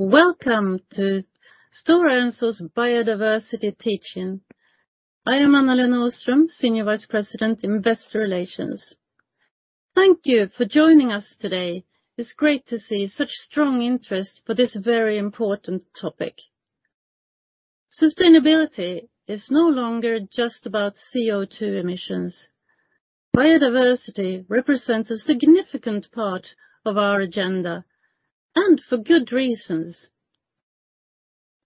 Welcome to Stora Enso's biodiversity teach-in. I am Anna-Lena Åström, Senior Vice President, Investor Relations. Thank you for joining us today. It's great to see such strong interest for this very important topic. Sustainability is no longer just about CO₂ emissions. Biodiversity represents a significant part of our agenda, and for good reasons.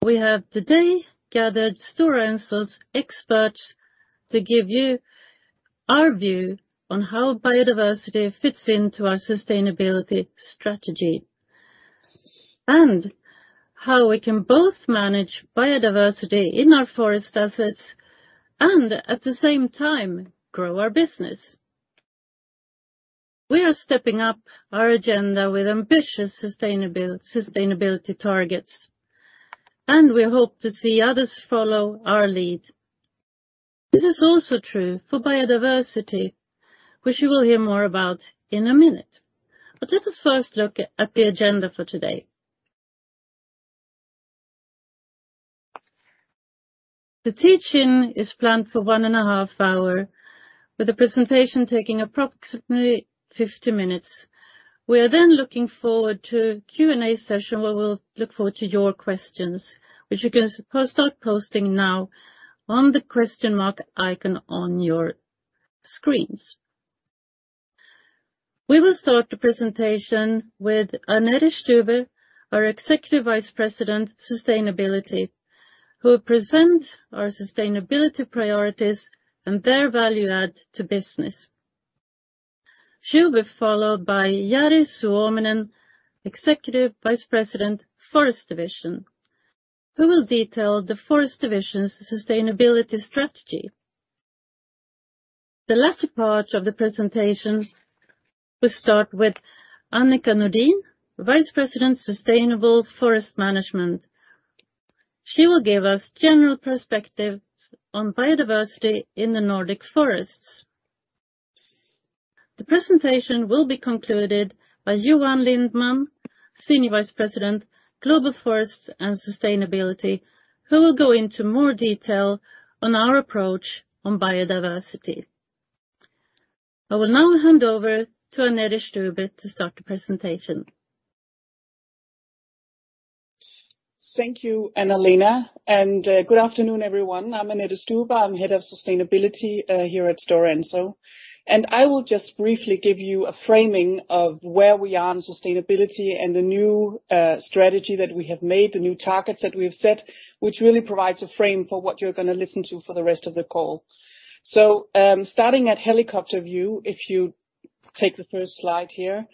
We have today gathered Stora Enso's experts to give you our view on how biodiversity fits into our sustainability strategy, and how we can both manage biodiversity in our forest assets and at the same time grow our business. We are stepping up our agenda with ambitious sustainability targets, and we hope to see others follow our lead. This is also true for biodiversity, which you will hear more about in a minute. Let us first look at the agenda for today. The teach-in is planned for 1.5 hours, with the presentation taking approximately 50 minutes. We are then looking forward to Q&A session, where we'll look forward to your questions, which you can start posting now on the question mark icon on your screens. We will start the presentation with Annette Stube, our Executive Vice President, Sustainability, who will present our sustainability priorities and their value add to business. She will be followed by Jari Suominen, Executive Vice President, Forest Division, who will detail the Forest Division's sustainability strategy. The latter part of the presentation will start with Annika Nordin, Vice President, Sustainable Forest Management. She will give us general perspectives on biodiversity in the Nordic forests. The presentation will be concluded by Johan Lindman, Senior Vice President, Global Forests and Sustainability, who will go into more detail on our approach on biodiversity. I will now hand over to Annette Stube to start the presentation. Thank you, Anna-Lena Åström. Good afternoon, everyone. I'm Annette Stube. I'm Head of Sustainability here at Stora Enso, and I will just briefly give you a framing of where we are in sustainability and the new strategy that we have made, the new targets that we have set, which really provides a frame for what you're gonna listen to for the rest of the call. Starting at helicopter view, if you take the first slide here,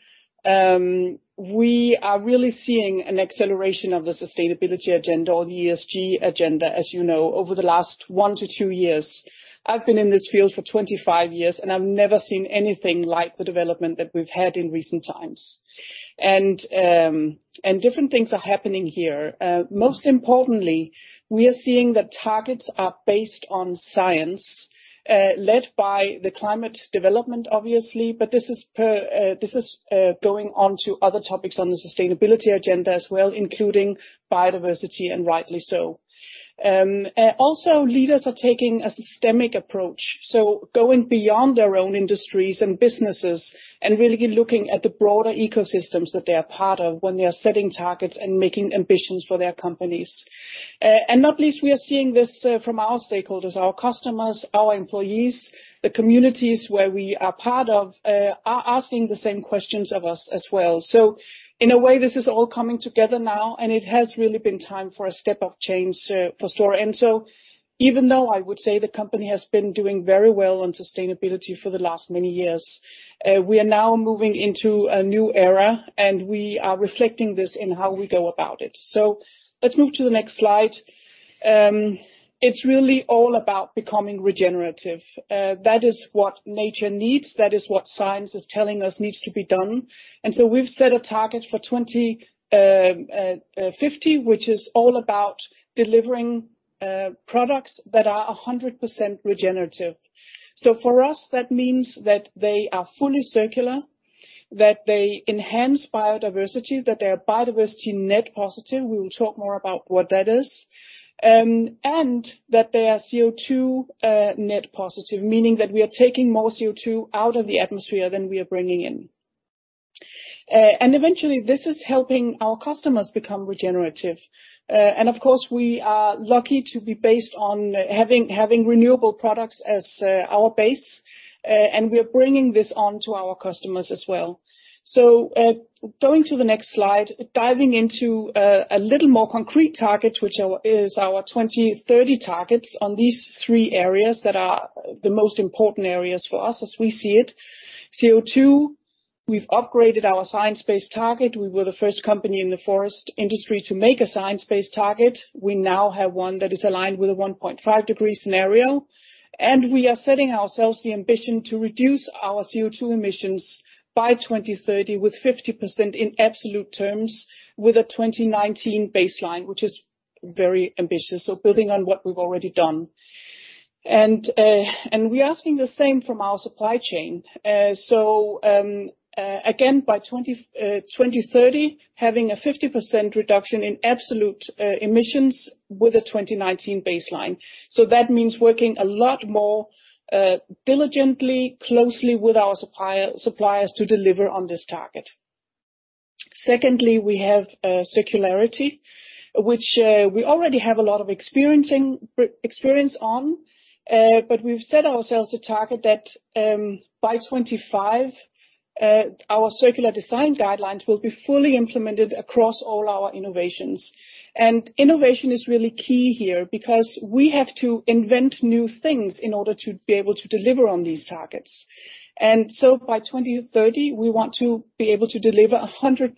we are really seeing an acceleration of the sustainability agenda or ESG agenda, as you know, over the last one to two years. I've been in this field for 25 years, and I've never seen anything like the development that we've had in recent times. Different things are happening here. Most importantly, we are seeing that targets are based on science, led by the climate development, obviously, but this is going on to other topics on the sustainability agenda as well, including biodiversity, and rightly so. Also, leaders are taking a systemic approach, so going beyond their own industries and businesses and really looking at the broader ecosystems that they are part of when they are setting targets and making ambitions for their companies. Not least, we are seeing this from our stakeholders, our customers, our employees. The communities where we are part of are asking the same questions of us as well. In a way, this is all coming together now, and it has really been time for a step-up change for Stora Enso. Even though I would say the company has been doing very well on sustainability for the last many years, we are now moving into a new era, and we are reflecting this in how we go about it. Let's move to the next slide. It's really all about becoming regenerative. That is what nature needs, that is what science is telling us needs to be done. We've set a target for 2050, which is all about delivering products that are 100% regenerative. For us, that means that they are fully circular, that they enhance biodiversity, that they are biodiversity net positive, we will talk more about what that is, and that they are CO₂ net positive, meaning that we are taking more CO₂ out of the atmosphere than we are bringing in. Eventually, this is helping our customers become regenerative. Of course, we are lucky to be based on having renewable products as our base, and we are bringing this on to our customers as well. Going to the next slide, diving into a little more concrete target, which is our 2030 targets on these three areas that are the most important areas for us as we see it. CO₂, we've upgraded our science-based target. We were the first company in the forest industry to make a science-based target. We now have one that is aligned with a 1.5°C scenario, and we are setting ourselves the ambition to reduce our CO₂ emissions by 2030, with 50% in absolute terms, with a 2019 baseline, which is very ambitious, so building on what we've already done. We're asking the same from our supply chain. Again, by 2030, having a 50% reduction in absolute emissions with a 2019 baseline. That means working a lot more diligently, closely with our suppliers to deliver on this target. Secondly, we have circularity, which we already have a lot of experience on. We've set ourselves a target that by 2025, our Circular Design Guidelines will be fully implemented across all our innovations. Innovation is really key here because we have to invent new things in order to be able to deliver on these targets. By 2030, we want to be able to deliver 100%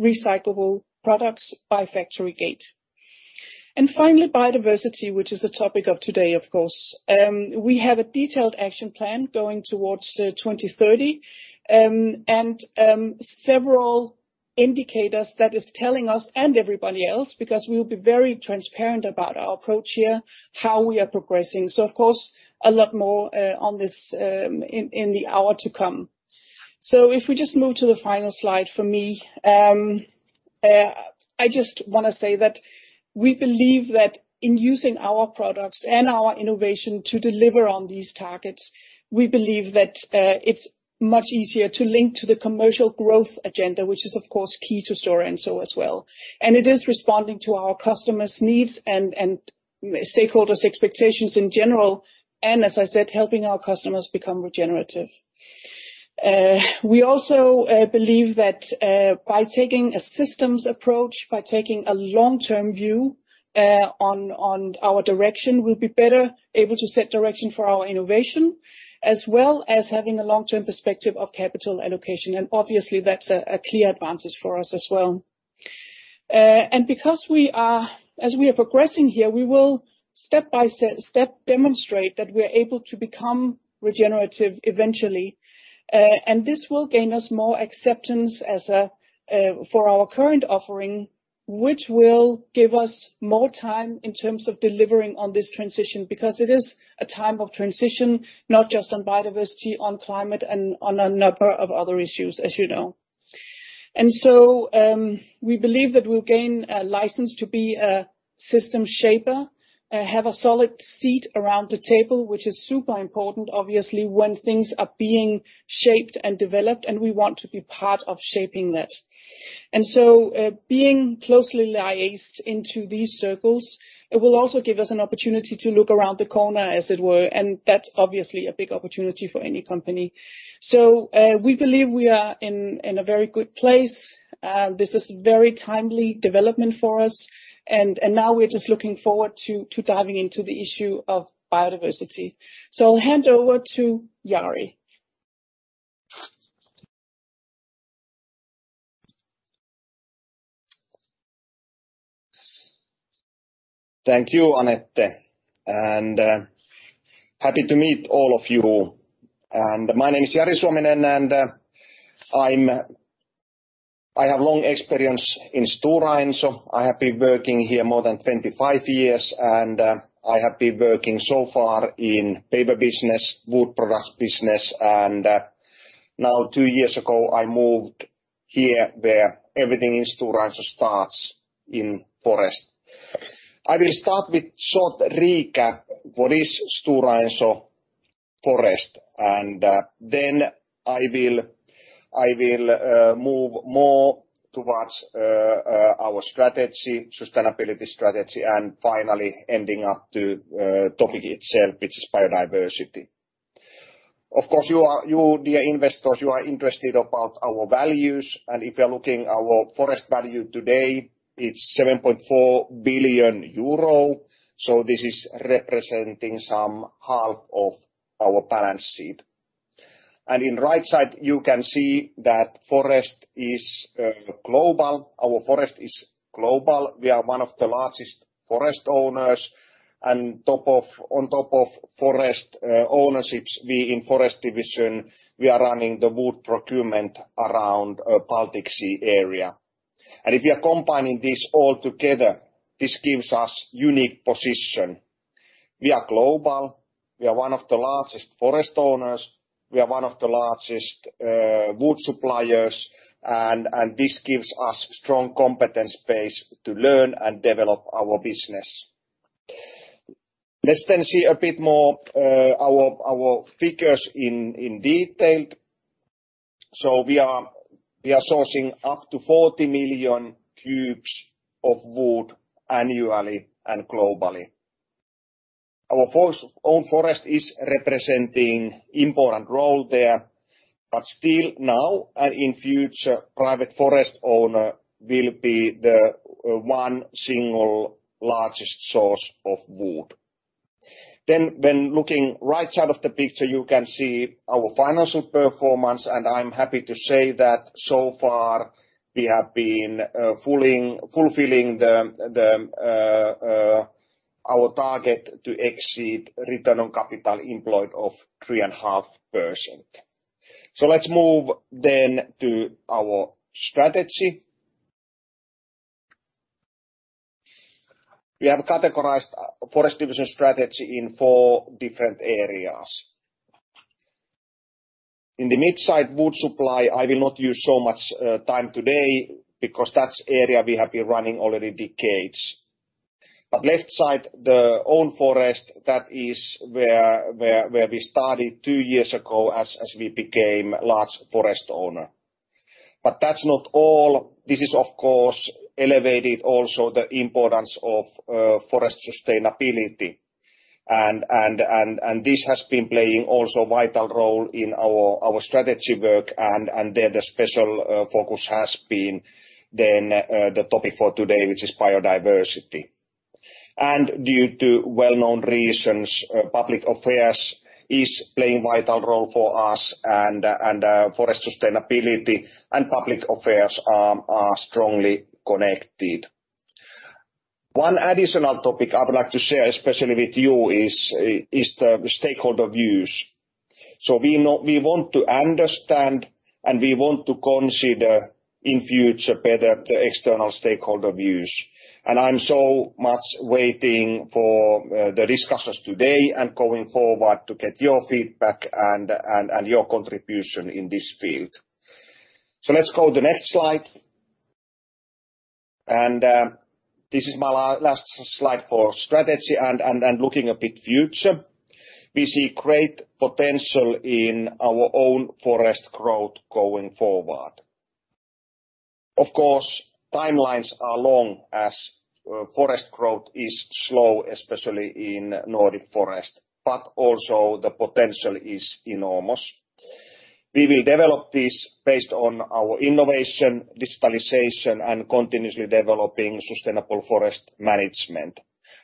recyclable products by factory gate. Finally, biodiversity, which is the topic of today, of course. We have a detailed action plan going towards 2030, and several indicators that is telling us and everybody else, because we'll be very transparent about our approach here, how we are progressing. Of course, a lot more on this in the hour to come. If we just move to the final slide from me, I just wanna say that we believe that in using our products and our innovation to deliver on these targets, we believe that it's much easier to link to the commercial growth agenda, which is, of course, key to Stora Enso as well. It is responding to our customers' needs and stakeholders' expectations in general, and as I said, helping our customers become regenerative. We also believe that by taking a systems approach, by taking a long-term view on our direction, we'll be better able to set direction for our innovation, as well as having a long-term perspective of capital allocation. Obviously, that's a clear advantage for us as well. Because we are progressing here, we will step by step demonstrate that we are able to become regenerative eventually. This will gain us more acceptance for our current offering, which will give us more time in terms of delivering on this transition, because it is a time of transition, not just on biodiversity, on climate and on a number of other issues, as you know. We believe that we'll gain a license to be a system shaper, have a solid seat around the table, which is super important, obviously, when things are being shaped and developed, and we want to be part of shaping that. Being closely liaised into these circles, it will also give us an opportunity to look around the corner, as it were, and that's obviously a big opportunity for any company. We believe we are in a very good place. This is very timely development for us. Now we're just looking forward to diving into the issue of biodiversity. I'll hand over to Jari. Thank you, Annette. Happy to meet all of you. My name is Jari Suominen. I have long experience in Stora Enso. I have been working here more than 25 years. I have been working so far in paper business, wood products business. Now two years ago, I moved here where everything in Stora Enso starts in forest. I will start with short recap what is Stora Enso Forest. Then I will move more towards our strategy, sustainability strategy, and finally ending up to topic itself, which is biodiversity. Of course, you dear investors are interested about our values, and if you're looking our forest value today, it's 7.4 billion euro. This is representing some half of our balance sheet. In right side, you can see that forest is global. Our forest is global. We are one of the largest forest owners. On top of forest ownerships, we in Forest Division are running the wood procurement around Baltic Sea area. If you are combining this all together, this gives us unique position. We are global. We are one of the largest forest owners. We are one of the largest wood suppliers, and this gives us strong competence base to learn and develop our business. Let's then see a bit more our figures in detail. We are sourcing up to 40 million cubes of wood annually and globally. Our own forest is representing an important role there, but still now and in the future, private forest owner will be the one single largest source of wood. When looking right side of the picture, you can see our financial performance, and I'm happy to say that so far we have been fulfilling our target to exceed return on capital employed of 3.5%. Let's move to our strategy. We have categorized Forest Division strategy in four different areas. In the mid-side wood supply, I will not use so much time today because that's an area we have been running for decades. Left side, the own forest, that is where we started two years ago as we became large forest owner. That's not all. This is, of course, elevated also the importance of forest sustainability, and this has been playing also vital role in our strategy work, and there the special focus has been then the topic for today, which is biodiversity. Due to well-known reasons, public affairs is playing vital role for us, and forest sustainability and public affairs are strongly connected. One additional topic I would like to share especially with you is the stakeholder views. We know we want to understand, and we want to consider in future better the external stakeholder views. I'm so much waiting for the discussions today and going forward to get your feedback and your contribution in this field. Let's go to next slide. This is my last slide for strategy and looking a bit future. We see great potential in our own forest growth going forward. Of course, timelines are long as forest growth is slow, especially in Nordic forest, but also the potential is enormous. We will develop this based on our innovation, digitalization, and continuously developing sustainable forest management.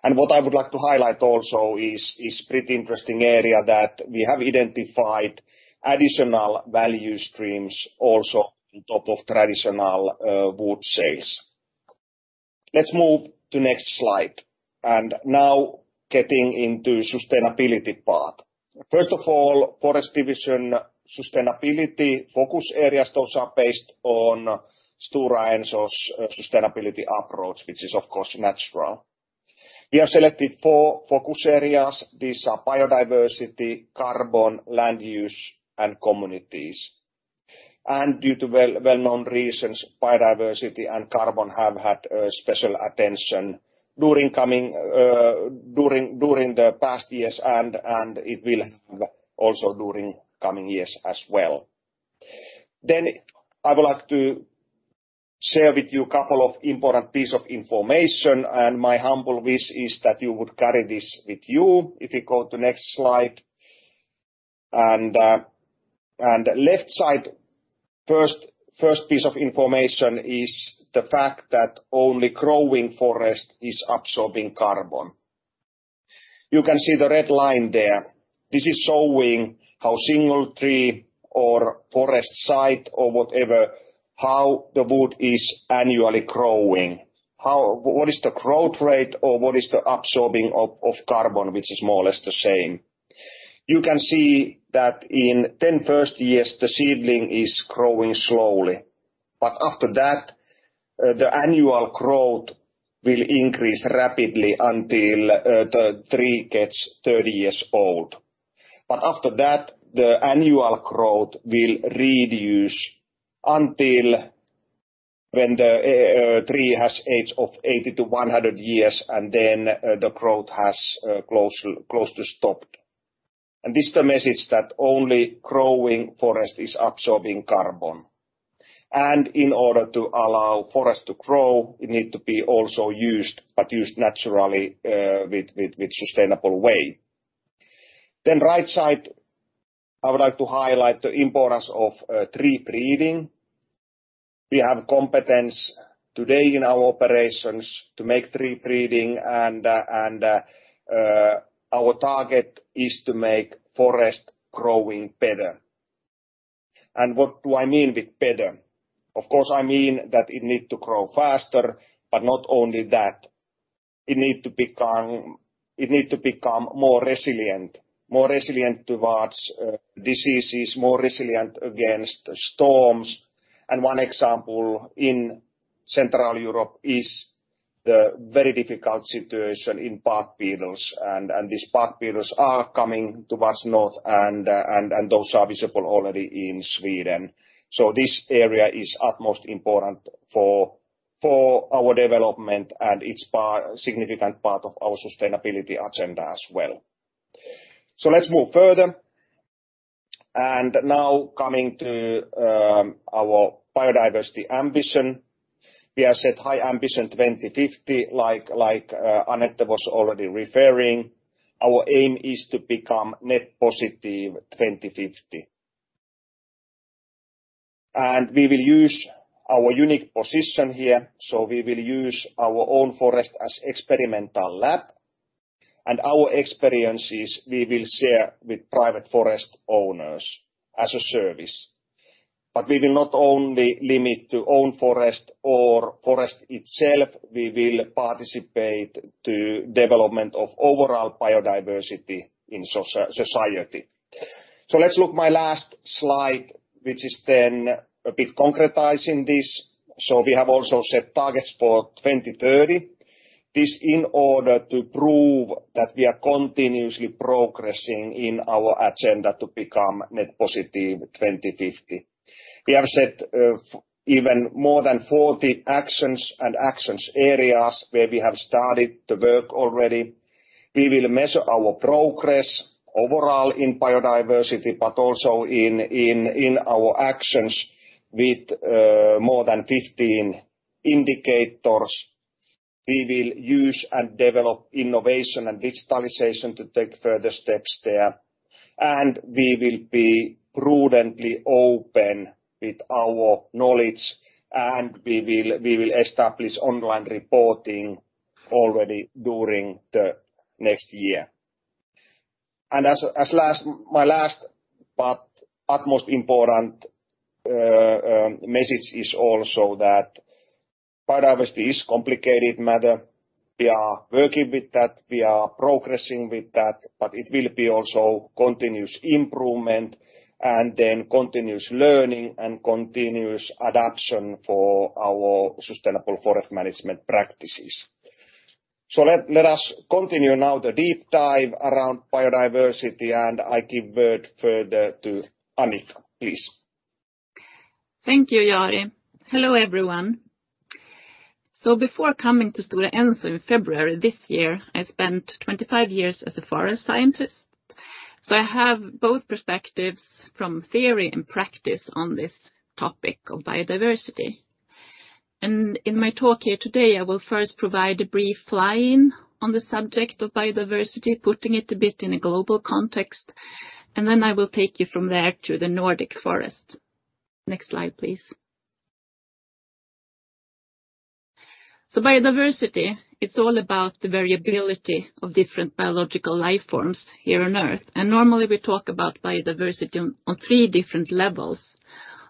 What I would like to highlight also is pretty interesting area that we have identified additional value streams also on top of traditional wood sales. Let's move to next slide. Now getting into sustainability part. First of all, Forest Division sustainability focus areas, those are based on Stora Enso's sustainability approach, which is, of course, natural. We have selected four focus areas. These are biodiversity, carbon, land use, and communities. Due to well-known reasons, biodiversity and carbon have had special attention during the past years and it will have also during coming years as well. I would like to share with you a couple of important piece of information, and my humble wish is that you would carry this with you. If you go to next slide. On the left side, first piece of information is the fact that only growing forest is absorbing carbon. You can see the red line there. This is showing how single tree or forest site or whatever, how the wood is annually growing, what is the growth rate or what is the absorbing of carbon, which is more or less the same. You can see that in the first 10 years, the seedling is growing slowly. After that, the annual growth will increase rapidly until the tree gets 30 years old. After that, the annual growth will reduce until when the tree has age of 80-100 years, and then the growth has close to stopped. This is the message that only growing forest is absorbing carbon. In order to allow forest to grow, it need to be also used, but used naturally with sustainable way. Right side, I would like to highlight the importance of tree breeding. We have competence today in our operations to make tree breeding and our target is to make forest growing better. What do I mean with better? Of course, I mean that it need to grow faster, but not only that. It needs to become more resilient towards diseases, more resilient against storms. One example in Central Europe is the very difficult situation with bark beetles, and these bark beetles are coming towards the north, and those are visible already in Sweden. This area is of utmost importance for our development, and it's a significant part of our sustainability agenda as well. Let's move further. Now coming to our biodiversity ambition. We have set high ambition 2050, Annette was already referring. Our aim is to become net positive 2050. We will use our unique position here, so we will use our own forest as experimental lab. Our experiences we will share with private forest owners as a service. We will not only limit to own forest or forest itself, we will participate to development of overall biodiversity in society. Let's look my last slide, which is then a bit concretizing this. We have also set targets for 2030. This in order to prove that we are continuously progressing in our agenda to become net positive 2050. We have set even more than 40 actions and actions areas where we have started the work already. We will measure our progress overall in biodiversity, but also in our actions with more than 15 indicators. We will use and develop innovation and digitalization to take further steps there, and we will be prudently open with our knowledge, and we will establish online reporting already during the next year. My last but utmost important message is also that biodiversity is a complicated matter. We are working with that, we are progressing with that, but it will be also continuous improvement and then continuous learning and continuous adaptation for our sustainable forest management practices. Let us continue now the deep dive around biodiversity, and I give word further to Annika, please. Thank you, Jari. Hello, everyone. Before coming to Stora Enso in February this year, I spent 25 years as a forest scientist, so I have both perspectives from theory and practice on this topic of biodiversity. In my talk here today, I will first provide a brief fly-in on the subject of biodiversity, putting it a bit in a global context, and then I will take you from there to the Nordic Forest. Next slide, please. Biodiversity, it's all about the variability of different biological life forms here on Earth. Normally we talk about biodiversity on three different levels: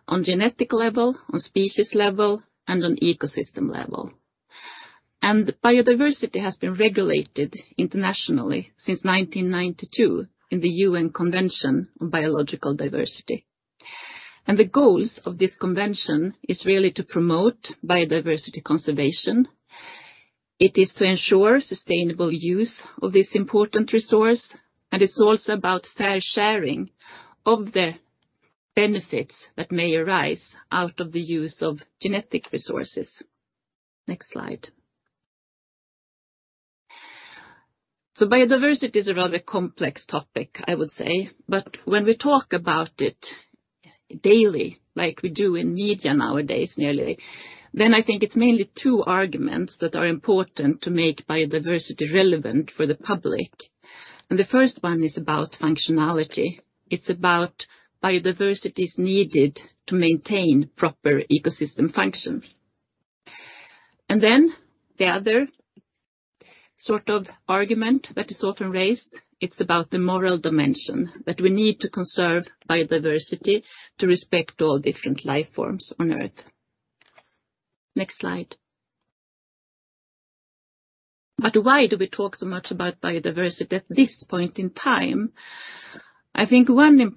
on genetic level, on species level, and on ecosystem level. Biodiversity has been regulated internationally since 1992 in the UN Convention on Biological Diversity. The goals of this convention is really to promote biodiversity conservation. It is to ensure sustainable use of this important resource, and it's also about fair sharing of the benefits that may arise out of the use of genetic resources. Next slide. Biodiversity is a rather complex topic, I would say, but when we talk about it daily, like we do in media nowadays, nearly, then I think it's mainly two arguments that are important to make biodiversity relevant for the public. The first one is about functionality. It's about biodiversity is needed to maintain proper ecosystem function. The other sort of argument that is often raised, it's about the moral dimension that we need to conserve biodiversity to respect all different life forms on Earth. Next slide. Why do we talk so much about biodiversity at this point in time? I think there's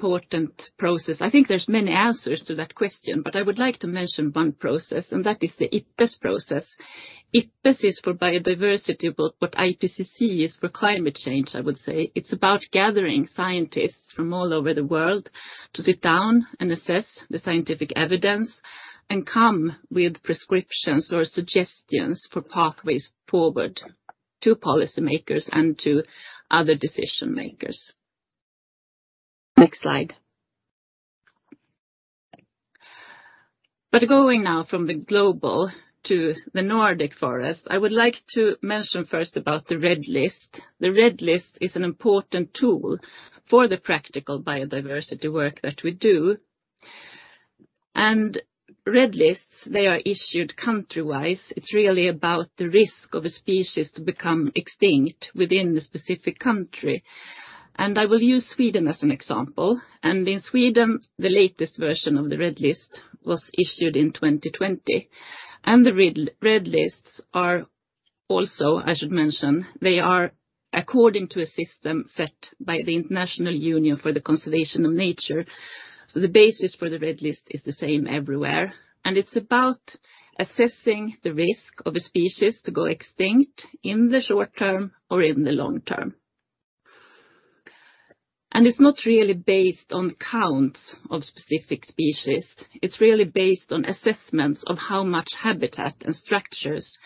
many answers to that question, but I would like to mention one process, and that is the IPBES process. IPBES is for biodiversity, but IPCC is for climate change, I would say. It's about gathering scientists from all over the world to sit down and assess the scientific evidence and come with prescriptions or suggestions for pathways forward to policymakers and to other decision makers. Next slide. Going now from the global to the Nordic Forest, I would like to mention first about the Red List. The Red List is an important tool for the practical biodiversity work that we do. Red Lists, they are issued country-wise. It's really about the risk of a species to become extinct within the specific country. I will use Sweden as an example. In Sweden, the latest version of the Red List was issued in 2020. The Red Lists are also, I should mention, they are according to a system set by the International Union for the Conservation of Nature. The basis for the Red List is the same everywhere, and it's about assessing the risk of a species to go extinct in the short term or in the long term. It's not really based on counts of specific species. It's really based on assessments of how much habitat and structures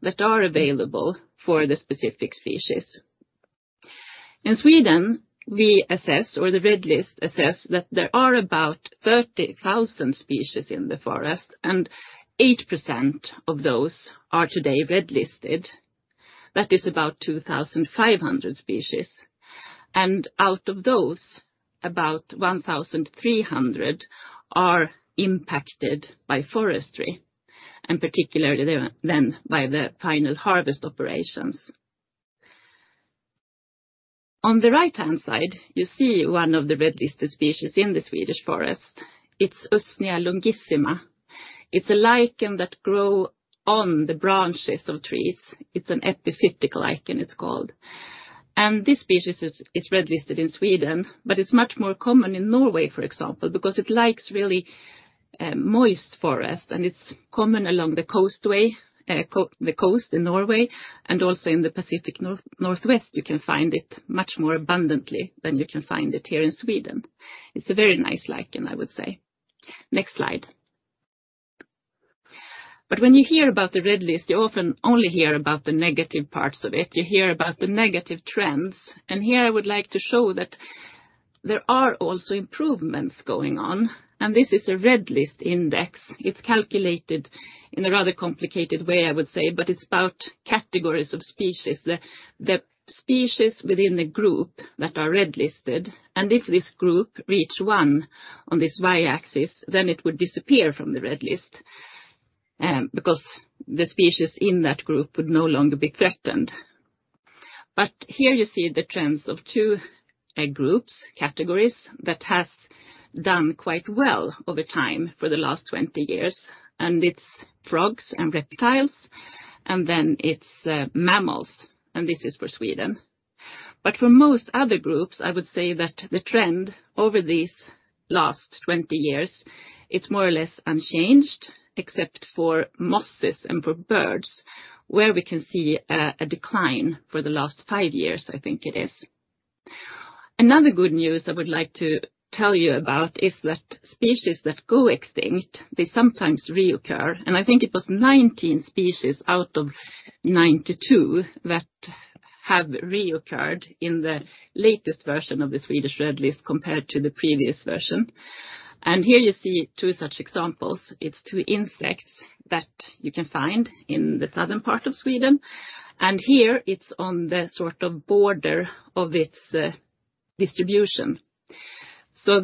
that are available for the specific species. In Sweden, we assess, or the Red List assess, that there are about 30,000 species in the forest, and 8% of those are today red-listed. That is about 2,500 species. Out of those, about 1,300 are impacted by forestry, and particularly then by the final harvest operations. On the right-hand side, you see one of the Red-Listed species in the Swedish forest. It's Usnea longissima. It's a lichen that grows on the branches of trees. It's an epiphytic lichen, it's called. This species is red-listed in Sweden, but it's much more common in Norway, for example, because it likes really moist forest, and it's common along the coast, the coast in Norway, and also in the Pacific Northwest, you can find it much more abundantly than you can find it here in Sweden. It's a very nice lichen, I would say. Next slide. When you hear about the Red List, you often only hear about the negative parts of it. You hear about the negative trends. Here, I would like to show that there are also improvements going on, and this is a Red List Index. It's calculated in a rather complicated way, I would say, but it's about categories of species. The species within the group that are Red List-ed, and if this group reach one on this y-axis, then it would disappear from the Red List, because the species in that group would no longer be threatened. Here you see the trends of two groups, categories that has done quite well over time for the last 20 years, and it's frogs and reptiles, and then it's mammals, and this is for Sweden. For most other groups, I would say that the trend over these last 20 years, it's more or less unchanged, except for mosses and for birds, where we can see a decline for the last five years, I think it is. Another good news I would like to tell you about is that species that go extinct, they sometimes reoccur, and I think it was 19 species out of 92 that have reoccurred in the latest version of the Swedish Red List compared to the previous version. Here you see two such examples. It's two insects that you can find in the southern part of Sweden. Here it's on the sort of border of its distribution.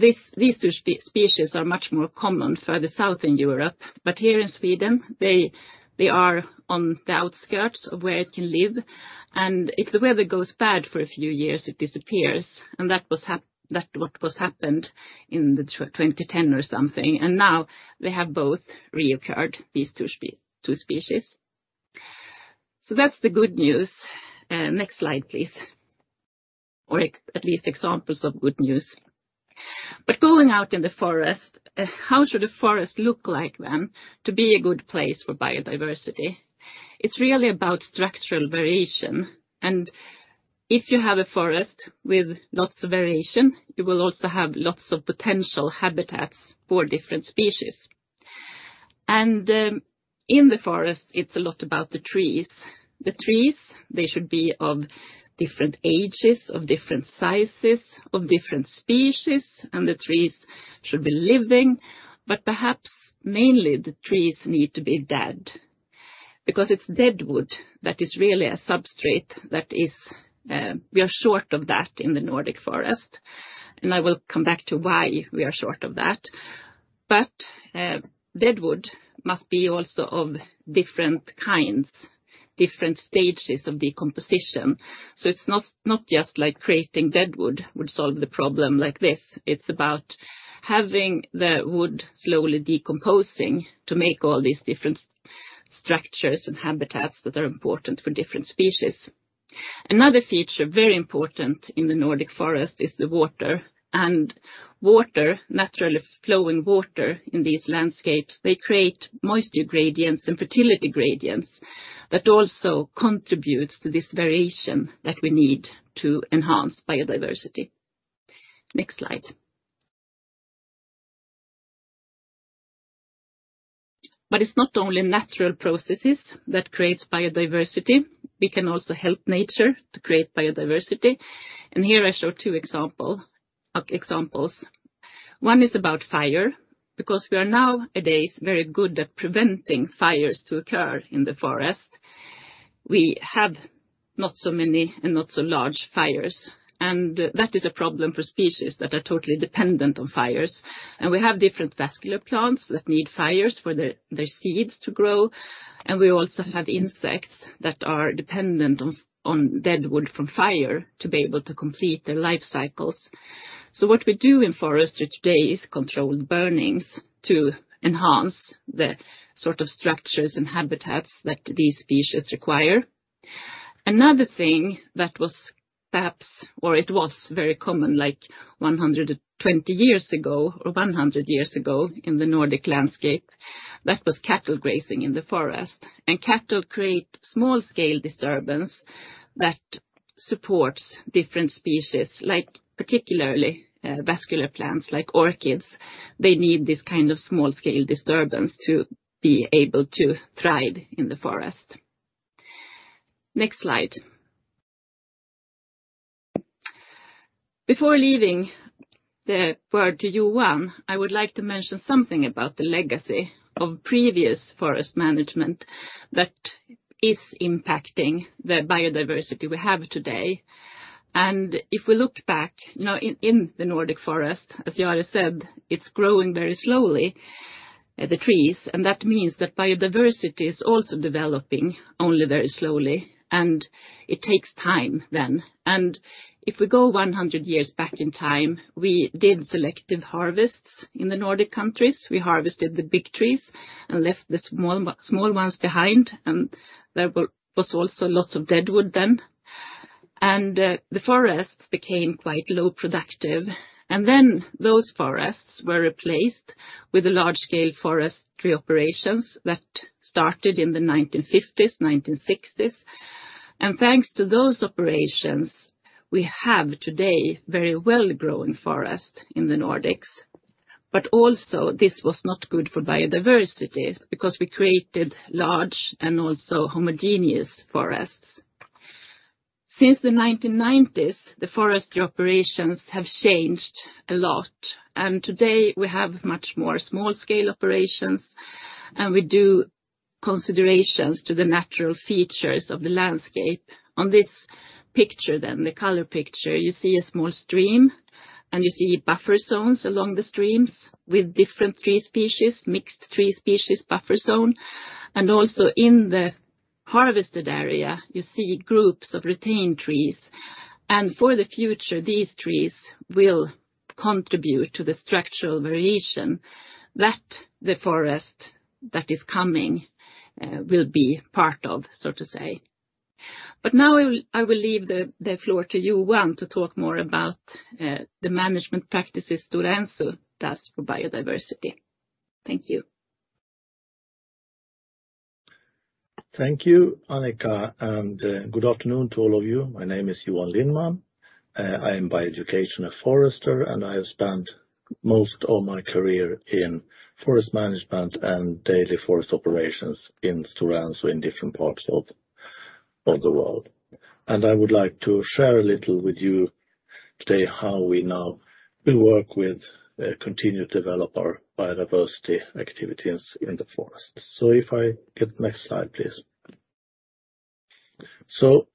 These two species are much more common further south in Europe, but here in Sweden, they are on the outskirts of where it can live. If the weather goes bad for a few years, it disappears, and that was what happened in 2010 or something. Now they have both reoccurred, these two species. That's the good news. Next slide, please. At least examples of good news. Going out in the forest, how should a forest look like then to be a good place for biodiversity? It's really about structural variation. If you have a forest with lots of variation, you will also have lots of potential habitats for different species. In the forest, it's a lot about the trees. The trees, they should be of different ages, of different sizes, of different species, and the trees should be living. Perhaps mainly the trees need to be dead because it's dead wood that is really a substrate that is, we are short of that in the Nordic forest, and I will come back to why we are short of that. Dead wood must be also of different kinds, different stages of decomposition. It's not just like creating dead wood would solve the problem like this. It's about having the wood slowly decomposing to make all these different structures and habitats that are important for different species. Another feature very important in the Nordic forest is the water. Water, naturally flowing water in these landscapes, they create moisture gradients and fertility gradients that also contributes to this variation that we need to enhance biodiversity. Next slide. It's not only natural processes that creates biodiversity. We can also help nature to create biodiversity, and here I show two examples. One is about fire, because we are nowadays very good at preventing fires to occur in the forest. We have not so many and not so large fires, and that is a problem for species that are totally dependent on fires. We have different vascular plants that need fires for their seeds to grow, and we also have insects that are dependent on dead wood from fire to be able to complete their life cycles. What we do in forestry today is controlled burnings to enhance the sort of structures and habitats that these species require. Another thing that was very common like 120 years ago or 100 years ago in the Nordic landscape, that was cattle grazing in the forest. Cattle create small scale disturbance that supports different species, like particularly, vascular plants like orchids. They need this kind of small scale disturbance to be able to thrive in the forest. Next slide. Before leaving the word to Johan, I would like to mention something about the legacy of previous forest management that is impacting the biodiversity we have today. If we look back, you know, in the Nordic forest, as Jari said, it's growing very slowly, the trees, and that means that biodiversity is also developing only very slowly, and it takes time then. If we go 100 years back in time, we did selective harvests in the Nordic countries. We harvested the big trees and left the small ones behind, and there was also lots of dead wood then. The forests became quite low-productive. Then those forests were replaced with large-scale forestry operations that started in the 1950s, 1960s. Thanks to those operations, we have today very well-grown forest in the Nordics. Also this was not good for biodiversity because we created large and also homogeneous forests. Since the 1990s, the forestry operations have changed a lot. Today we have much more small-scale operations, and we do considerations to the natural features of the landscape. On this picture, the color picture, you see a small stream, and you see buffer zones along the streams with different tree species, mixed tree species buffer zone. Also in the harvested area, you see groups of retained trees. For the future, these trees will contribute to the structural variation that the forest that is coming will be part of, so to say. Now I will leave the floor to Johan to talk more about the management practices Stora Enso does for biodiversity. Thank you. Thank you, Annika, and good afternoon to all of you. My name is Johan Lindman. I am by education a forester, and I have spent most of my career in forest management and daily forest operations in Stora Enso in different parts of the world. I would like to share a little with you today how we now will work with continued development biodiversity activities in the forest. If I get next slide, please.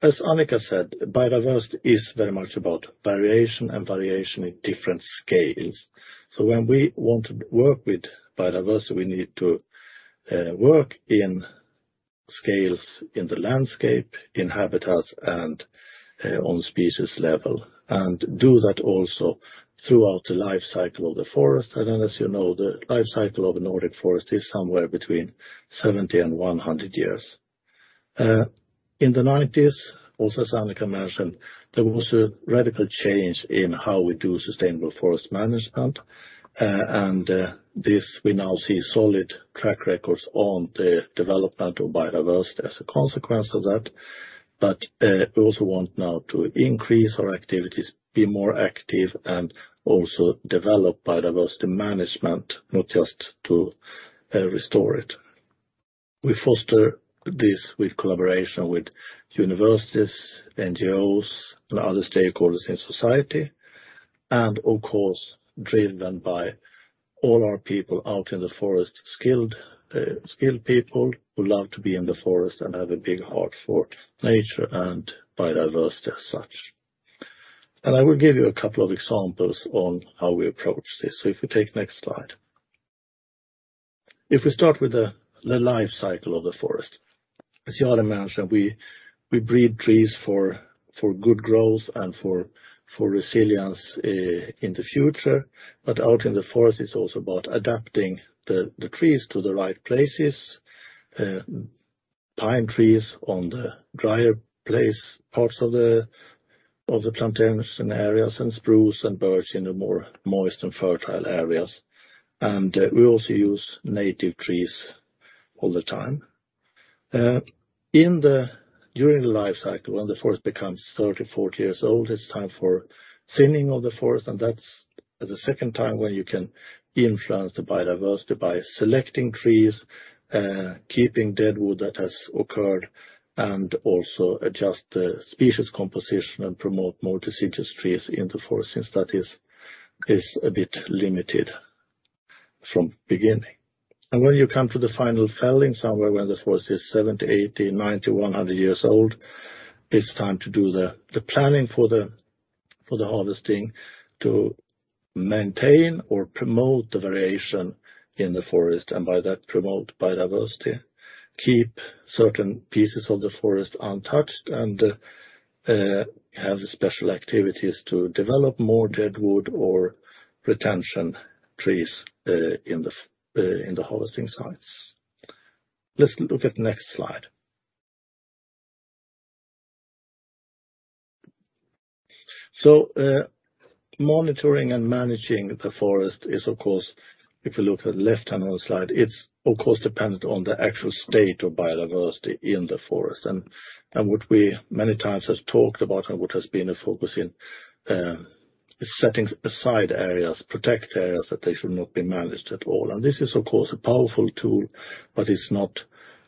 As Annika said, biodiversity is very much about variation and variation in different scales. When we want to work with biodiversity, we need to work in scales in the landscape, in habitats, and on species level, and do that also throughout the life cycle of the forest. As you know, the life cycle of a Nordic forest is somewhere between 70 and 100 years. In the 1990s, also as Annika mentioned, there was a radical change in how we do sustainable forest management. This we now see solid track records on the development of biodiversity as a consequence of that. We also want now to increase our activities, be more active, and also develop biodiversity management, not just to restore it. We foster this with collaboration with universities, NGOs, and other stakeholders in society, and of course, driven by all our people out in the forest, skilled people who love to be in the forest and have a big heart for nature and biodiversity as such. I will give you a couple of examples on how we approach this. If we take next slide. If we start with the life cycle of the forest, as Annika mentioned, we breed trees for good growth and for resilience in the future. Out in the forest, it's also about adapting the trees to the right places. Pine trees on the drier places, parts of the plantations and areas, and spruce and birch in the more moist and fertile areas. We also use native trees all the time. During the life cycle, when the forest becomes 30, 40 years old, it's time for thinning of the forest, and that's the second time when you can influence the biodiversity by selecting trees, keeping deadwood that has occurred, and also adjust the species composition and promote more deciduous trees in the forest since that is a bit limited from beginning. When you come to the final felling somewhere when the forest is 70, 80, 90, 100 years old, it's time to do the planning for the harvesting to maintain or promote the variation in the forest, and by that promote biodiversity. Keep certain pieces of the forest untouched and have special activities to develop more dead wood or retention trees in the harvesting sites. Let's look at next slide. Monitoring and managing the forest is of course, if you look at left-hand on the slide, it's of course dependent on the actual state of biodiversity in the forest. What we many times have talked about and what has been a focus in is setting aside areas, protect areas that they should not be managed at all. This is of course a powerful tool, but it's not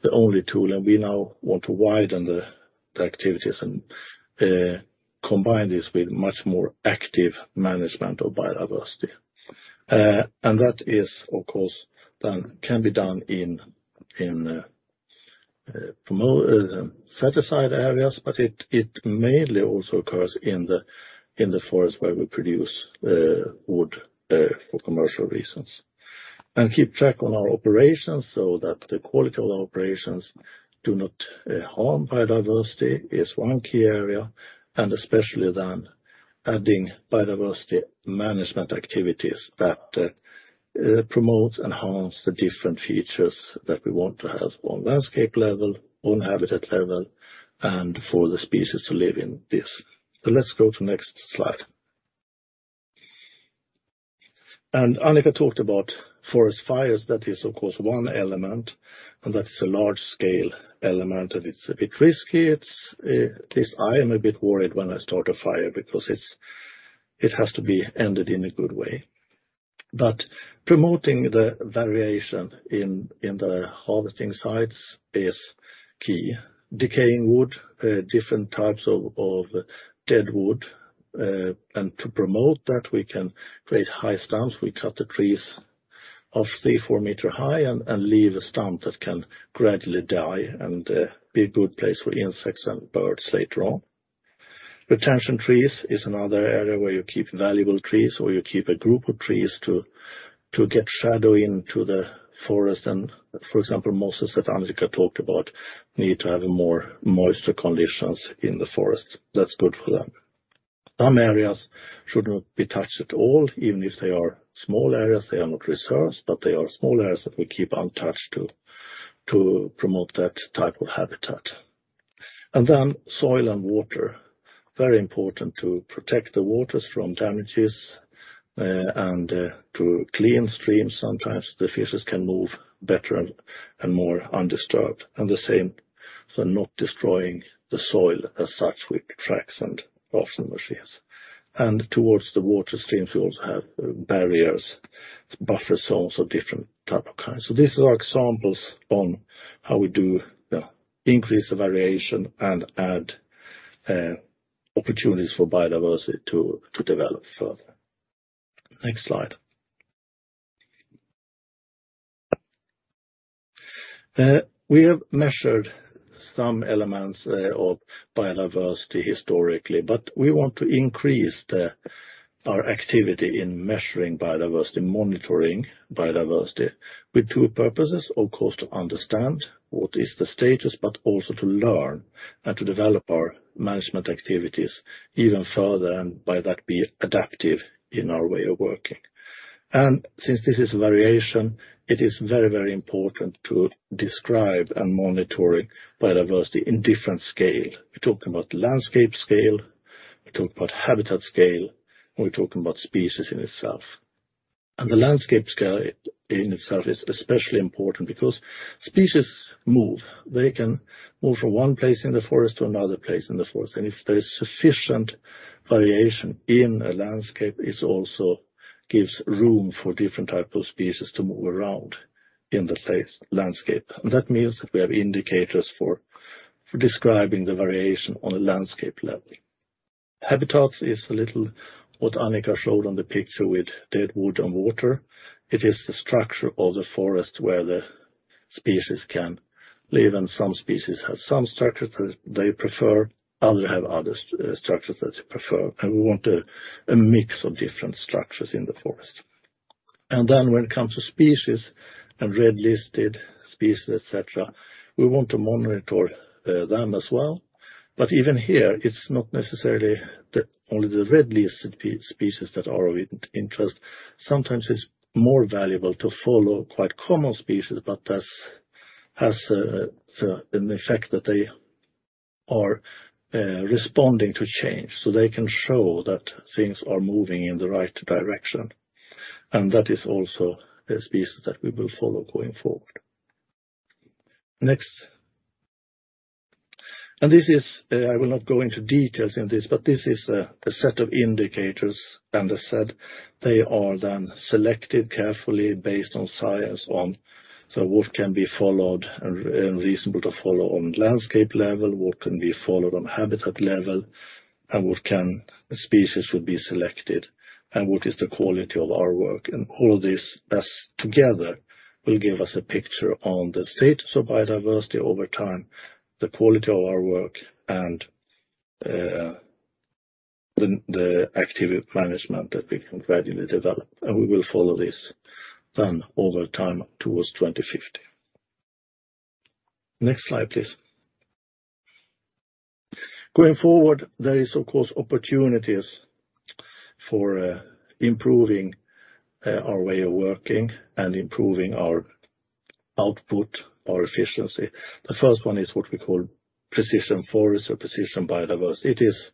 the only tool. We now want to widen the activities and combine this with much more active management of biodiversity. That can of course be done in set aside areas, but it mainly also occurs in the forest where we produce wood for commercial reasons. Keep track on our operations so that the quality of our operations do not harm biodiversity is one key area, and especially then adding biodiversity management activities that enhance the different features that we want to have on landscape level, on habitat level, and for the species to live in this. Let's go to next slide. Annika talked about forest fires. That is, of course, one element, and that is a large scale element of it. It's a bit risky. I am a bit worried when I start a fire because it has to be ended in a good way. Promoting the variation in the harvesting sites is key. Decaying wood, different types of dead wood. To promote that, we can create high stumps. We cut the trees off three or four meters high and leave a stump that can gradually die and be a good place for insects and birds later on. Retention trees is another area where you keep valuable trees, or you keep a group of trees to get shade into the forest. For example, mosses that Annika talked about need to have more moisture conditions in the forest. That's good for them. Some areas should not be touched at all. Even if they are small areas, they are not reserves, but they are small areas that we keep untouched to promote that type of habitat. Soil and water, very important to protect the waters from damages and to clean streams. Sometimes the fishes can move better and more undisturbed. The same for not destroying the soil as such with tracks and often machines. Towards the water streams, we also have barriers, buffer zones of different type of kinds. These are examples on how we do increase the variation and add opportunities for biodiversity to develop further. Next slide. We have measured some elements of biodiversity historically, but we want to increase our activity in measuring biodiversity, monitoring biodiversity with two purposes, of course, to understand what is the status, but also to learn and to develop our management activities even further, and by that, be adaptive in our way of working. Since this is variation, it is very, very important to describe and monitoring biodiversity in different scale. We talk about landscape scale, we talk about habitat scale, and we're talking about species in itself. The landscape scale in itself is especially important because species move. They can move from one place in the forest to another place in the forest. If there is sufficient variation in a landscape, it also gives room for different type of species to move around in the landscape. That means that we have indicators for describing the variation on a landscape level. Habitats is a little what Annika showed on the picture with dead wood and water. It is the structure of the forest where the species can live, and some species have some structures that they prefer, others have other structures that they prefer. We want a mix of different structures in the forest. Then when it comes to species and Red-listed species, et cetera, we want to monitor them as well. Even here, it's not necessarily only the Red List species that are of interest. Sometimes it's more valuable to follow quite common species, but in the effect that they are responding to change, so they can show that things are moving in the right direction. That is also a species that we will follow going forward. Next. This is. I will not go into details in this, but this is a set of indicators. As said, they are then selected carefully based on science, so what can be followed and reasonable to follow on landscape level, what can be followed on habitat level, and what species would be selected, and what is the quality of our work. All this has together will give us a picture on the status of biodiversity over time, the quality of our work, and the active management that we can gradually develop. We will follow this then over time towards 2050. Next slide, please. Going forward, there is of course opportunities for improving our way of working and improving our output, our efficiency. The first one is what we call precision forestry or precision biodiversity. It is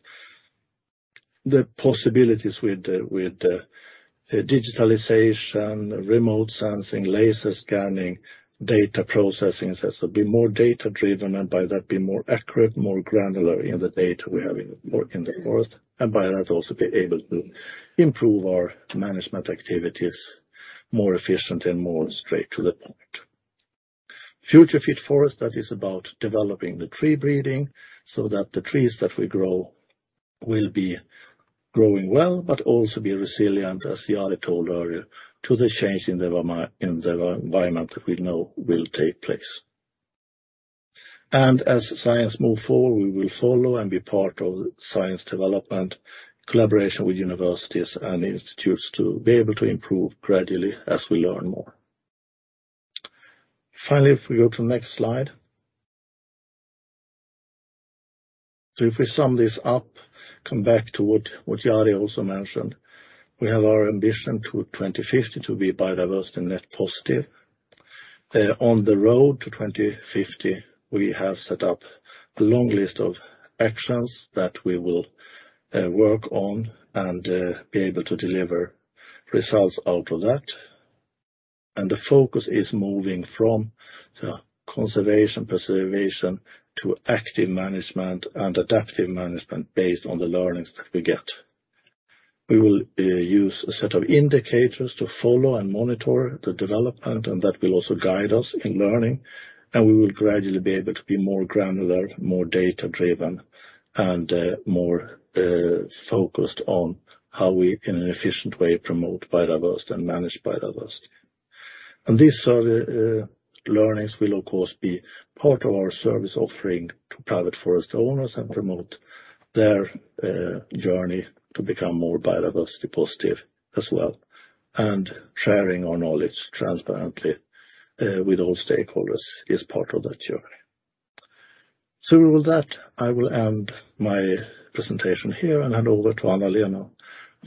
the possibilities with the digitalization, remote sensing, laser scanning, data processing. So it's a bit more data driven, and by that, be more accurate, more granular in the data we have in our work in the forest, and by that, also be able to improve our management activities more efficient and more straight to the point. Future Fit Forest, that is about developing the tree breeding so that the trees that we grow will be growing well, but also be resilient, as Jari told earlier, to the change in the environment that we know will take place. As science move forward, we will follow and be part of science development, collaboration with universities and institutes to be able to improve gradually as we learn more. Finally, if we go to the next slide. If we sum this up, come back to what Jari also mentioned, we have our ambition to 2050 to be biodiversity net positive. On the road to 2050, we have set up a long list of actions that we will work on and be able to deliver results out of that. The focus is moving from the conservation, preservation to active management and adaptive management based on the learnings that we get. We will use a set of indicators to follow and monitor the development, and that will also guide us in learning, and we will gradually be able to be more granular, more data-driven, and more focused on how we, in an efficient way, promote biodiversity and manage biodiversity. These learnings will of course be part of our service offering to private forest owners and promote their journey to become more biodiversity positive as well, and sharing our knowledge transparently with all stakeholders is part of that journey. With that, I will end my presentation here and hand over to Anna-Lena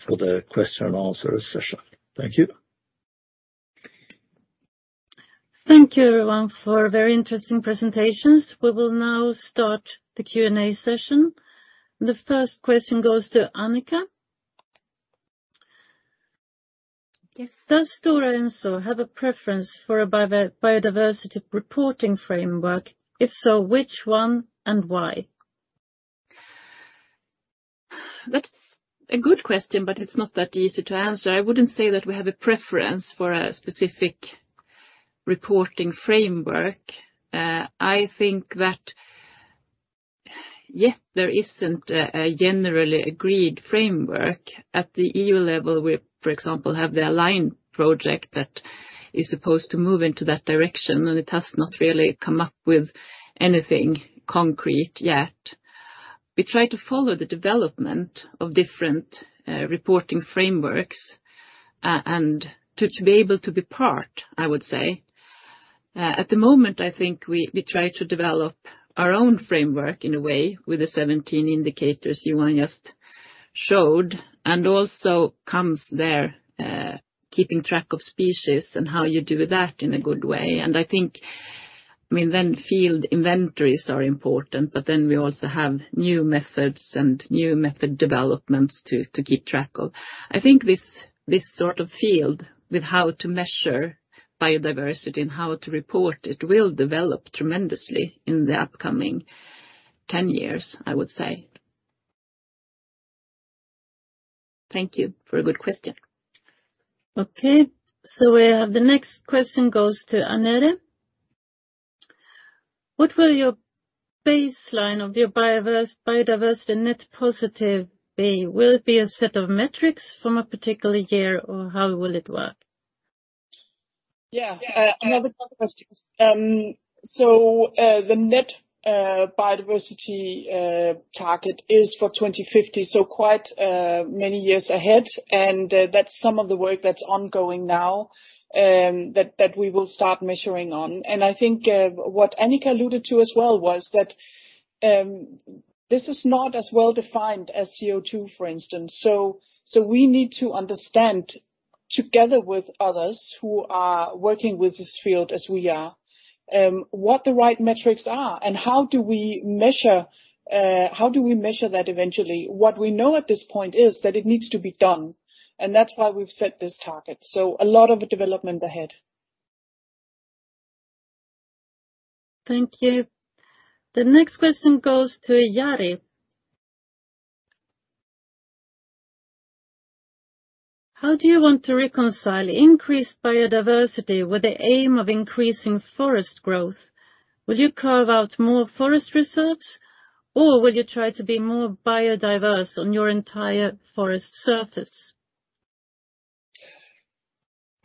for the question and answer session. Thank you. Thank you everyone for very interesting presentations. We will now start the Q&A session. The first question goes to Annika. Yes. Does Stora Enso have a preference for a biodiversity reporting framework? If so, which one and why? That's a good question, but it's not that easy to answer. I wouldn't say that we have a preference for a specific reporting framework. I think that yet there isn't a generally agreed framework. At the EU level, we, for example, have the Align project that is supposed to move into that direction, and it has not really come up with anything concrete yet. We try to follow the development of different reporting frameworks and to be able to be part, I would say. At the moment, I think we try to develop our own framework in a way with the 17 indicators Johan just showed, and also comes there keeping track of species and how you do that in a good way. I think, I mean, then field inventories are important, but then we also have new methods and new method developments to keep track of. I think this sort of field with how to measure biodiversity and how to report it will develop tremendously in the upcoming 10 years, I would say. Thank you for a good question. Okay. We have the next question goes to Annette. What will your baseline of your biodiversity net positive be? Will it be a set of metrics from a particular year, or how will it work? Yeah. Another tough question. The net biodiversity target is for 2050, so quite many years ahead. That's some of the work that's ongoing now, that we will start measuring on. I think what Annika alluded to as well was that this is not as well-defined as CO₂, for instance. We need to understand, together with others who are working with this field as we are, what the right metrics are and how do we measure that eventually. What we know at this point is that it needs to be done, and that's why we've set this target. A lot of development ahead. Thank you. The next question goes to Jari. How do you want to reconcile increased biodiversity with the aim of increasing forest growth? Will you carve out more forest reserves, or will you try to be more biodiverse on your entire forest surface?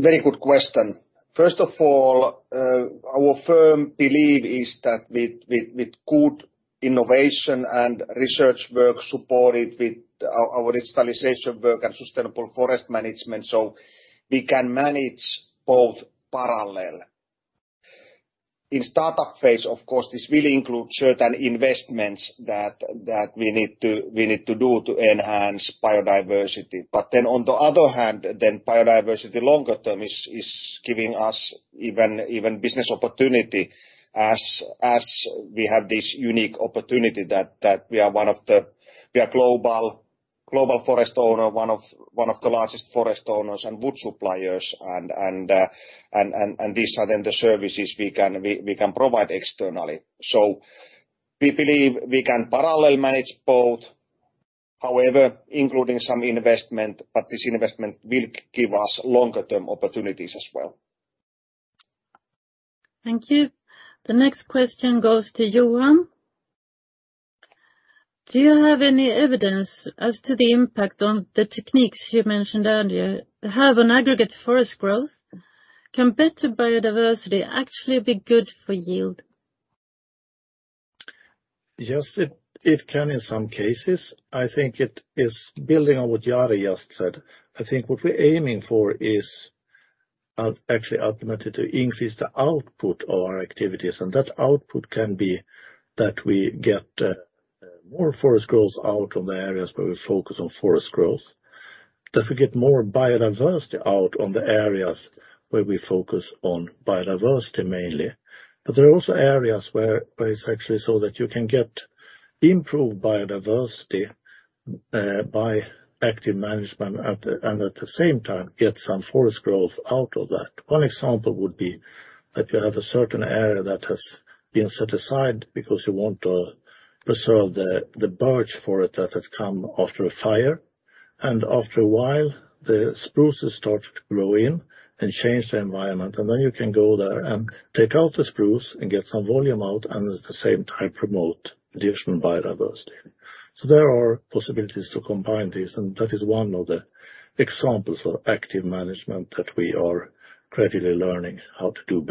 Very good question. First of all, our firm belief is that with good innovation and research work supported with our digitalization work and sustainable forest management, we can manage both parallel. In startup phase, of course, this will include certain investments that we need to do to enhance biodiversity. On the other hand, biodiversity longer term is giving us even business opportunity as we have this unique opportunity that we are global forest owner, one of the largest forest owners and wood suppliers, and these are then the services we can provide externally. We believe we can parallel manage both. However, including some investment, this investment will give us longer term opportunities as well. Thank you. The next question goes to Johan. Do you have any evidence as to the impact on the techniques you mentioned earlier have on aggregate forest growth? Can better biodiversity actually be good for yield? Yes, it can in some cases. I think it is building on what Jari just said. I think what we're aiming for is actually ultimately to increase the output of our activities, and that output can be that we get more forest growth out on the areas where we focus on forest growth, that we get more biodiversity out on the areas where we focus on biodiversity mainly. There are also areas where it's actually so that you can get improved biodiversity by active management and at the same time, get some forest growth out of that. One example would be that you have a certain area that has been set aside because you want to preserve the birds for it that has come after a fire, and after a while, the spruce has started to grow in and change the environment. Then you can go there and take out the spruce and get some volume out, and at the same time promote additional biodiversity. There are possibilities to combine these, and that is one of the examples of active management that we are gradually learning how to do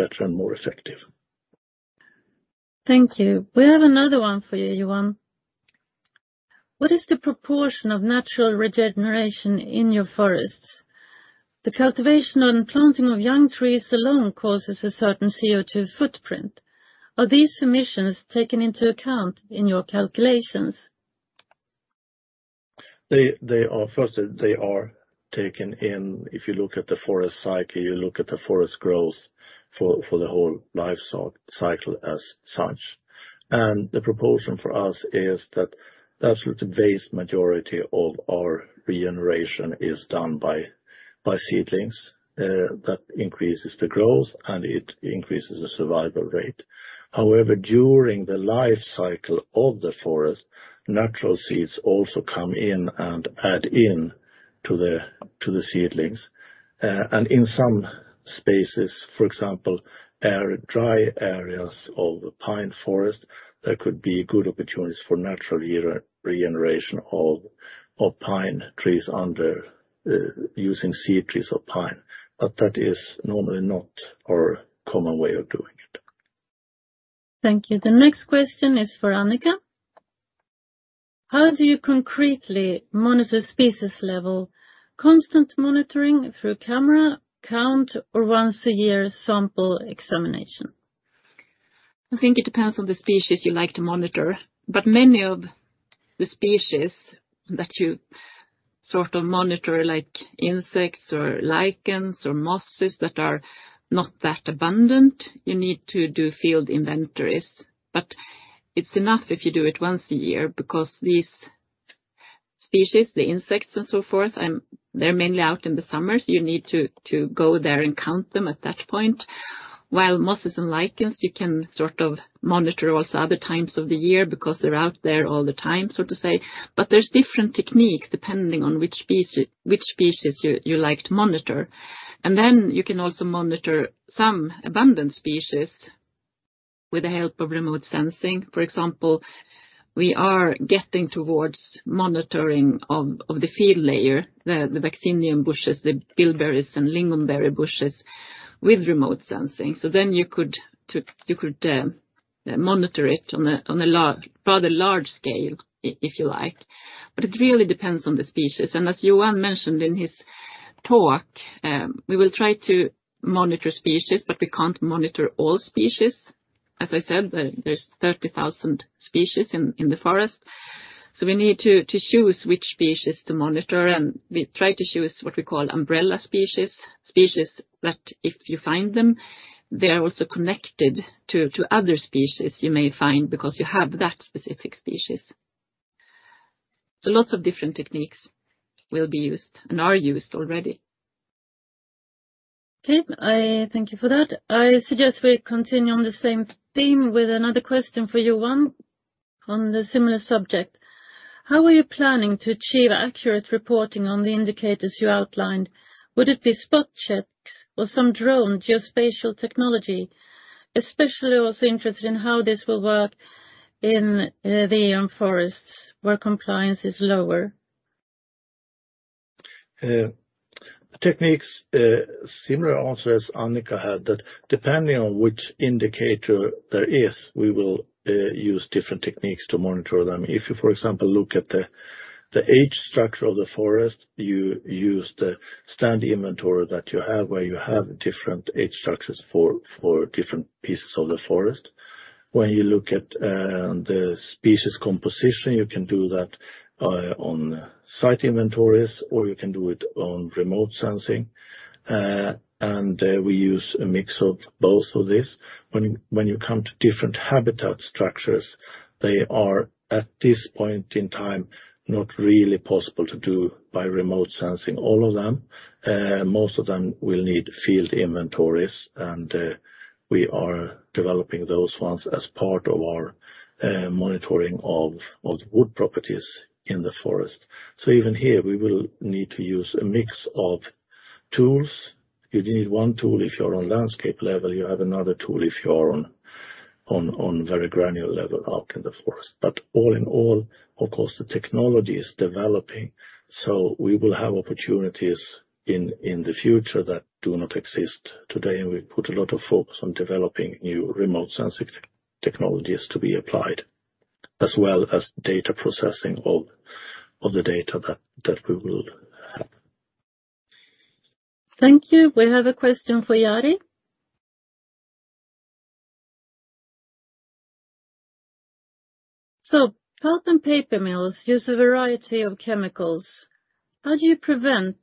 better and more effective. Thank you. We have another one for you, Johan. What is the proportion of natural regeneration in your forests? The cultivation and planting of young trees alone causes a certain CO₂ footprint. Are these emissions taken into account in your calculations? They are. First, they are taken in. If you look at the forest cycle, you look at the forest growth for the whole life cycle as such. The proportion for us is that the absolute vast majority of our regeneration is done by seedlings that increases the growth, and it increases the survival rate. However, during the life cycle of the forest, natural seeds also come in and add in to the seedlings. In some spaces, for example, dry areas of the pine forest, there could be good opportunities for natural regeneration of pine trees under using seed trees of pine. That is normally not our common way of doing it. Thank you. The next question is for Annika. How do you concretely monitor species level? Constant monitoring through camera count or once a year sample examination? I think it depends on the species you like to monitor, but many of the species that you sort of monitor, like insects or lichens or mosses that are not that abundant, you need to do field inventories. It's enough if you do it once a year because these species, the insects and so forth, they're mainly out in the summer, so you need to go there and count them at that point. While mosses and lichens, you can sort of monitor also other times of the year because they're out there all the time, so to say. There's different techniques depending on which species you like to monitor. You can also monitor some abundant species with the help of remote sensing. For example, we are getting towards monitoring of the field layer, the Vaccinium bushes, the bilberries and lingonberry bushes with remote sensing. You could monitor it on a rather large scale if you like. It really depends on the species. As Johan mentioned in his talk, we will try to monitor species, but we can't monitor all species. As I said, there's 30,000 species in the forest, so we need to choose which species to monitor, and we try to choose what we call umbrella species that if you find them, they are also connected to other species you may find because you have that specific species. Lots of different techniques will be used and are used already. Okay. I thank you for that. I suggest we continue on the same theme with another question for Johan on the similar subject. How are you planning to achieve accurate reporting on the indicators you outlined? Would it be spot checks or some drone geospatial technology? Especially also interested in how this will work in our own forests where compliance is lower. Techniques. Similar answer as Annika had, that depending on which indicator there is, we will use different techniques to monitor them. If you, for example, look at the age structure of the forest, you use the standard inventory that you have, where you have different age structures for different pieces of the forest. When you look at the species composition, you can do that on-site inventories, or you can do it on remote sensing. We use a mix of both of these. When you come to different habitat structures, they are, at this point in time, not really possible to do by remote sensing all of them. Most of them will need field inventories, and we are developing those ones as part of our monitoring of wood properties in the forest. Even here, we will need to use a mix of tools. You need one tool if you're on landscape level, you have another tool if you're on very granular level out in the forest. All in all, of course, the technology is developing, so we will have opportunities in the future that do not exist today. We put a lot of focus on developing new remote sensing technologies to be applied. As well as data processing of the data that we will have. Thank you. We have a question for Jari. Pulp and paper mills use a variety of chemicals. How do you prevent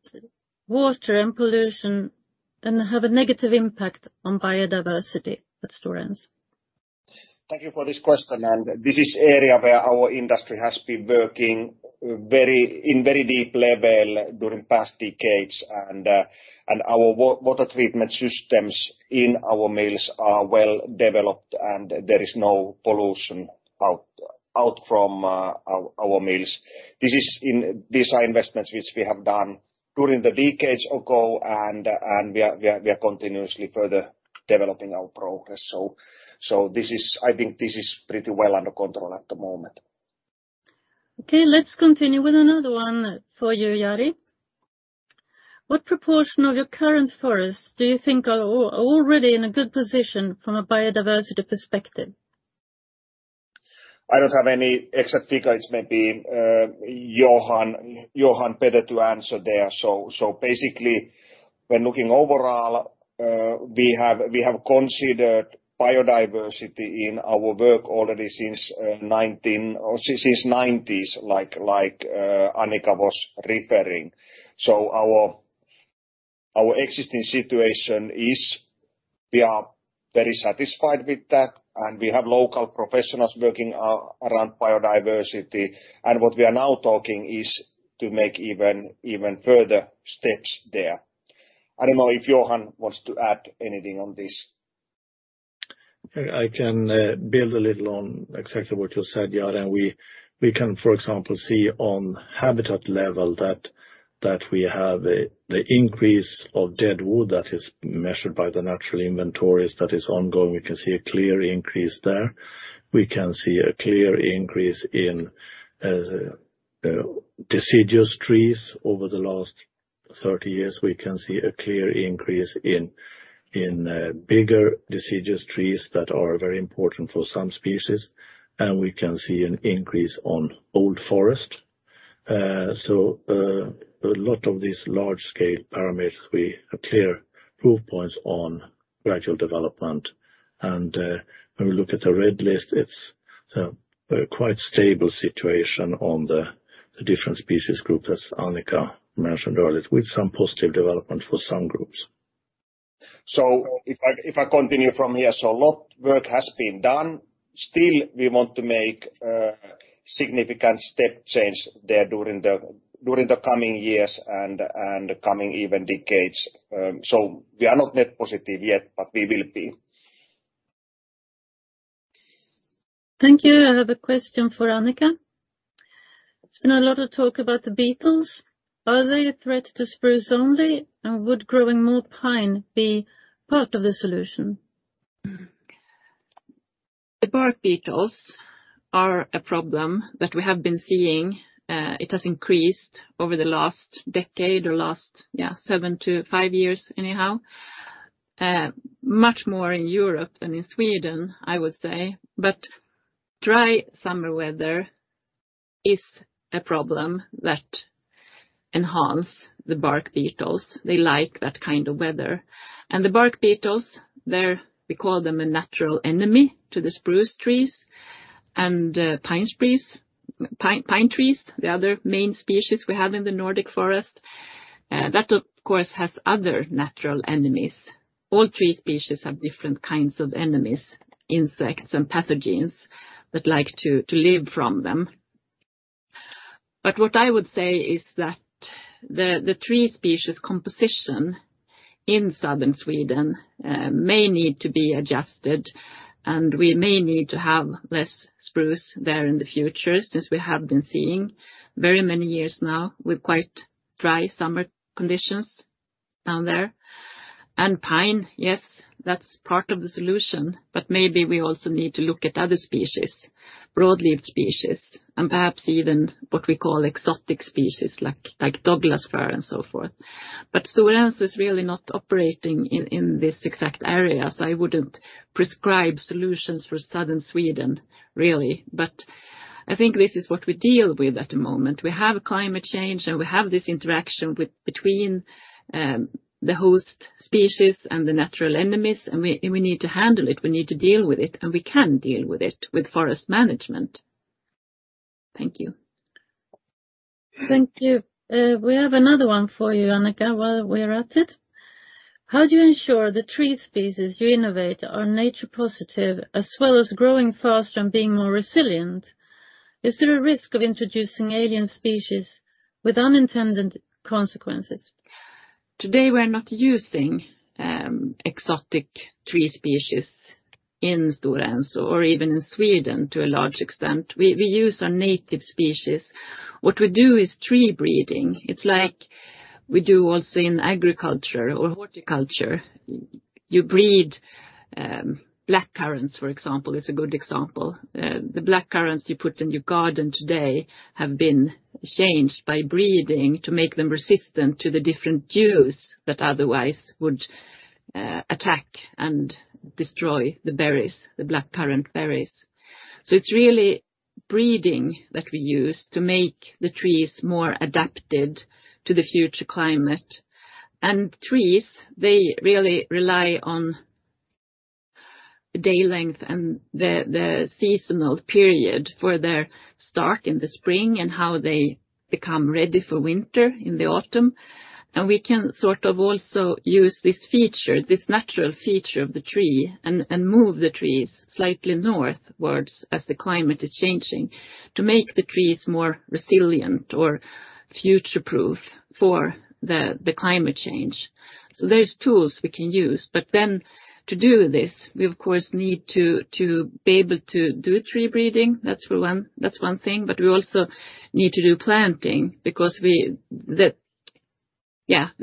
water pollution and having a negative impact on biodiversity at Stora Enso? Thank you for this question, and this is area where our industry has been working in very deep level during past decades, and our water treatment systems in our mills are well-developed, and there is no pollution out from our mills. These are investments which we have done during the decades ago, and we are continuously further developing our progress. I think this is pretty well under control at the moment. Okay, let's continue with another one for you, Jari. What proportion of your current forests do you think are already in a good position from a biodiversity perspective? I don't have any exact figure. It's maybe, Johan better to answer there. Basically, when looking overall, we have considered biodiversity in our work already since or since 1990s, like Annika was referring. Our existing situation is we are very satisfied with that, and we have local professionals working around biodiversity. What we are now talking is to make even further steps there. I don't know if Johan wants to add anything on this. I can build a little on exactly what you said, Jari. We can, for example, see on habitat level that we have the increase of dead wood that is measured by the national inventories that is ongoing. We can see a clear increase there. We can see a clear increase in deciduous trees over the last 30 years. We can see a clear increase in bigger deciduous trees that are very important for some species, and we can see an increase on old forest. A lot of these large scale parameters, we have clear proof points on gradual development. When we look at the Red List, it's a quite stable situation on the different species group, as Annica mentioned earlier, with some positive development for some groups. If I continue from here, a lot of work has been done. Still, we want to make a significant step change there during the coming years and coming even decades. We are not net positive yet, but we will be. Thank you. I have a question for Annica. There's been a lot of talk about the beetles. Are they a threat to spruce only, and would growing more pine be part of the solution? The bark beetles are a problem that we have been seeing. It has increased over the last decade or seven to five years anyhow. Much more in Europe than in Sweden, I would say. Dry summer weather is a problem that enhance the bark beetles. They like that kind of weather. The bark beetles, we call them a natural enemy to the spruce trees and pine trees, the other main species we have in the Nordic forest. That of course has other natural enemies. All three species have different kinds of enemies, insects and pathogens that like to live from them. What I would say is that the three species composition in southern Sweden may need to be adjusted, and we may need to have less spruce there in the future, since we have been seeing very many years now with quite dry summer conditions down there. Pine, yes, that's part of the solution, but maybe we also need to look at other species, broadleaf species, and perhaps even what we call exotic species like Douglas fir and so forth. Stora Enso is really not operating in this exact areas. I wouldn't prescribe solutions for southern Sweden, really. I think this is what we deal with at the moment. We have climate change, and we have this interaction between the host species and the natural enemies, and we need to handle it, we need to deal with it, and we can deal with it with forest management. Thank you. Thank you. We have another one for you, Annica, while we're at it. How do you ensure the tree species you innovate are nature positive, as well as growing faster and being more resilient? Is there a risk of introducing alien species with unintended consequences? Today, we're not using exotic tree species in Stora Enso or even in Sweden to a large extent. We use our native species. What we do is tree breeding. It's like we do also in agriculture or horticulture. You breed black currants, for example, is a good example. The black currants you put in your garden today have been changed by breeding to make them resistant to the different dews that otherwise would attack and destroy the berries, the black currant berries. It's really breeding that we use to make the trees more adapted to the future climate. Trees, they really rely on day length and the seasonal period for their start in the spring and how they become ready for winter in the autumn. We can sort of also use this feature, this natural feature of the tree and move the trees slightly northwards as the climate is changing to make the trees more resilient or future-proof for the climate change. There's tools we can use. To do this, we, of course, need to be able to do tree breeding. That's one thing. We also need to do planting because the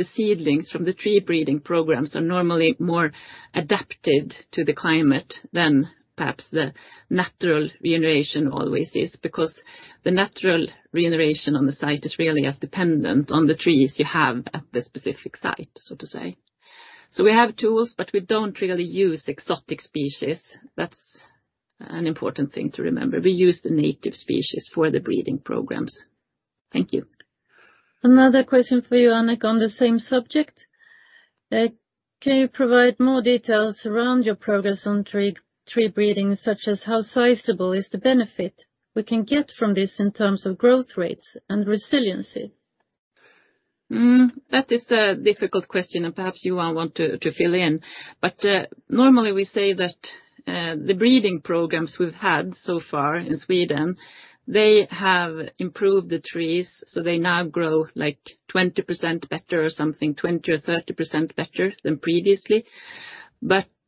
seedlings from the tree breeding programs are normally more adapted to the climate than perhaps the natural regeneration always is, because the natural regeneration on the site is really as dependent on the trees you have at the specific site, so to say. We have tools, but we don't really use exotic species. That's an important thing to remember. We use the native species for the breeding programs. Thank you. Another question for you, Annica, on the same subject. Can you provide more details around your progress on tree breeding, such as how sizable is the benefit we can get from this in terms of growth rates and resiliency? That is a difficult question, and perhaps Johan want to fill in. Normally we say that the breeding programs we've had so far in Sweden, they have improved the trees, so they now grow, like, 20% better or something, 20% or 30% better than previously.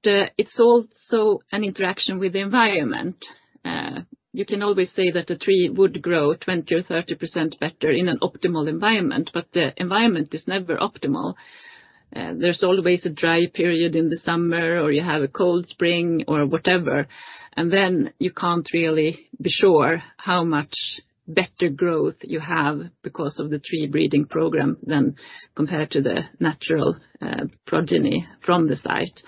It's also an interaction with the environment. You can always say that a tree would grow 20% or 30% better in an optimal environment, but the environment is never optimal. There's always a dry period in the summer, or you have a cold spring or whatever. You can't really be sure how much better growth you have because of the tree breeding program than compared to the natural progeny from the site.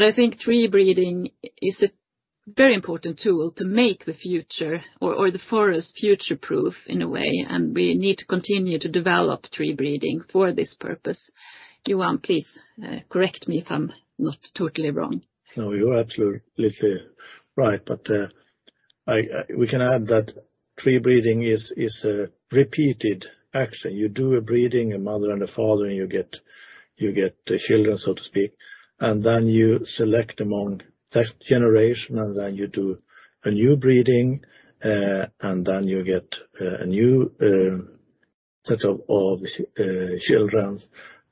I think tree breeding is a very important tool to make the future or the forest future-proof in a way, and we need to continue to develop tree breeding for this purpose. Johan, please, correct me if I'm not totally wrong. No, you're absolutely right. But we can add that tree breeding is a repeated action. You do a breeding, a mother and a father, and you get the children, so to speak. Then you select among that generation, and then you do a new breeding, and then you get a new set of children.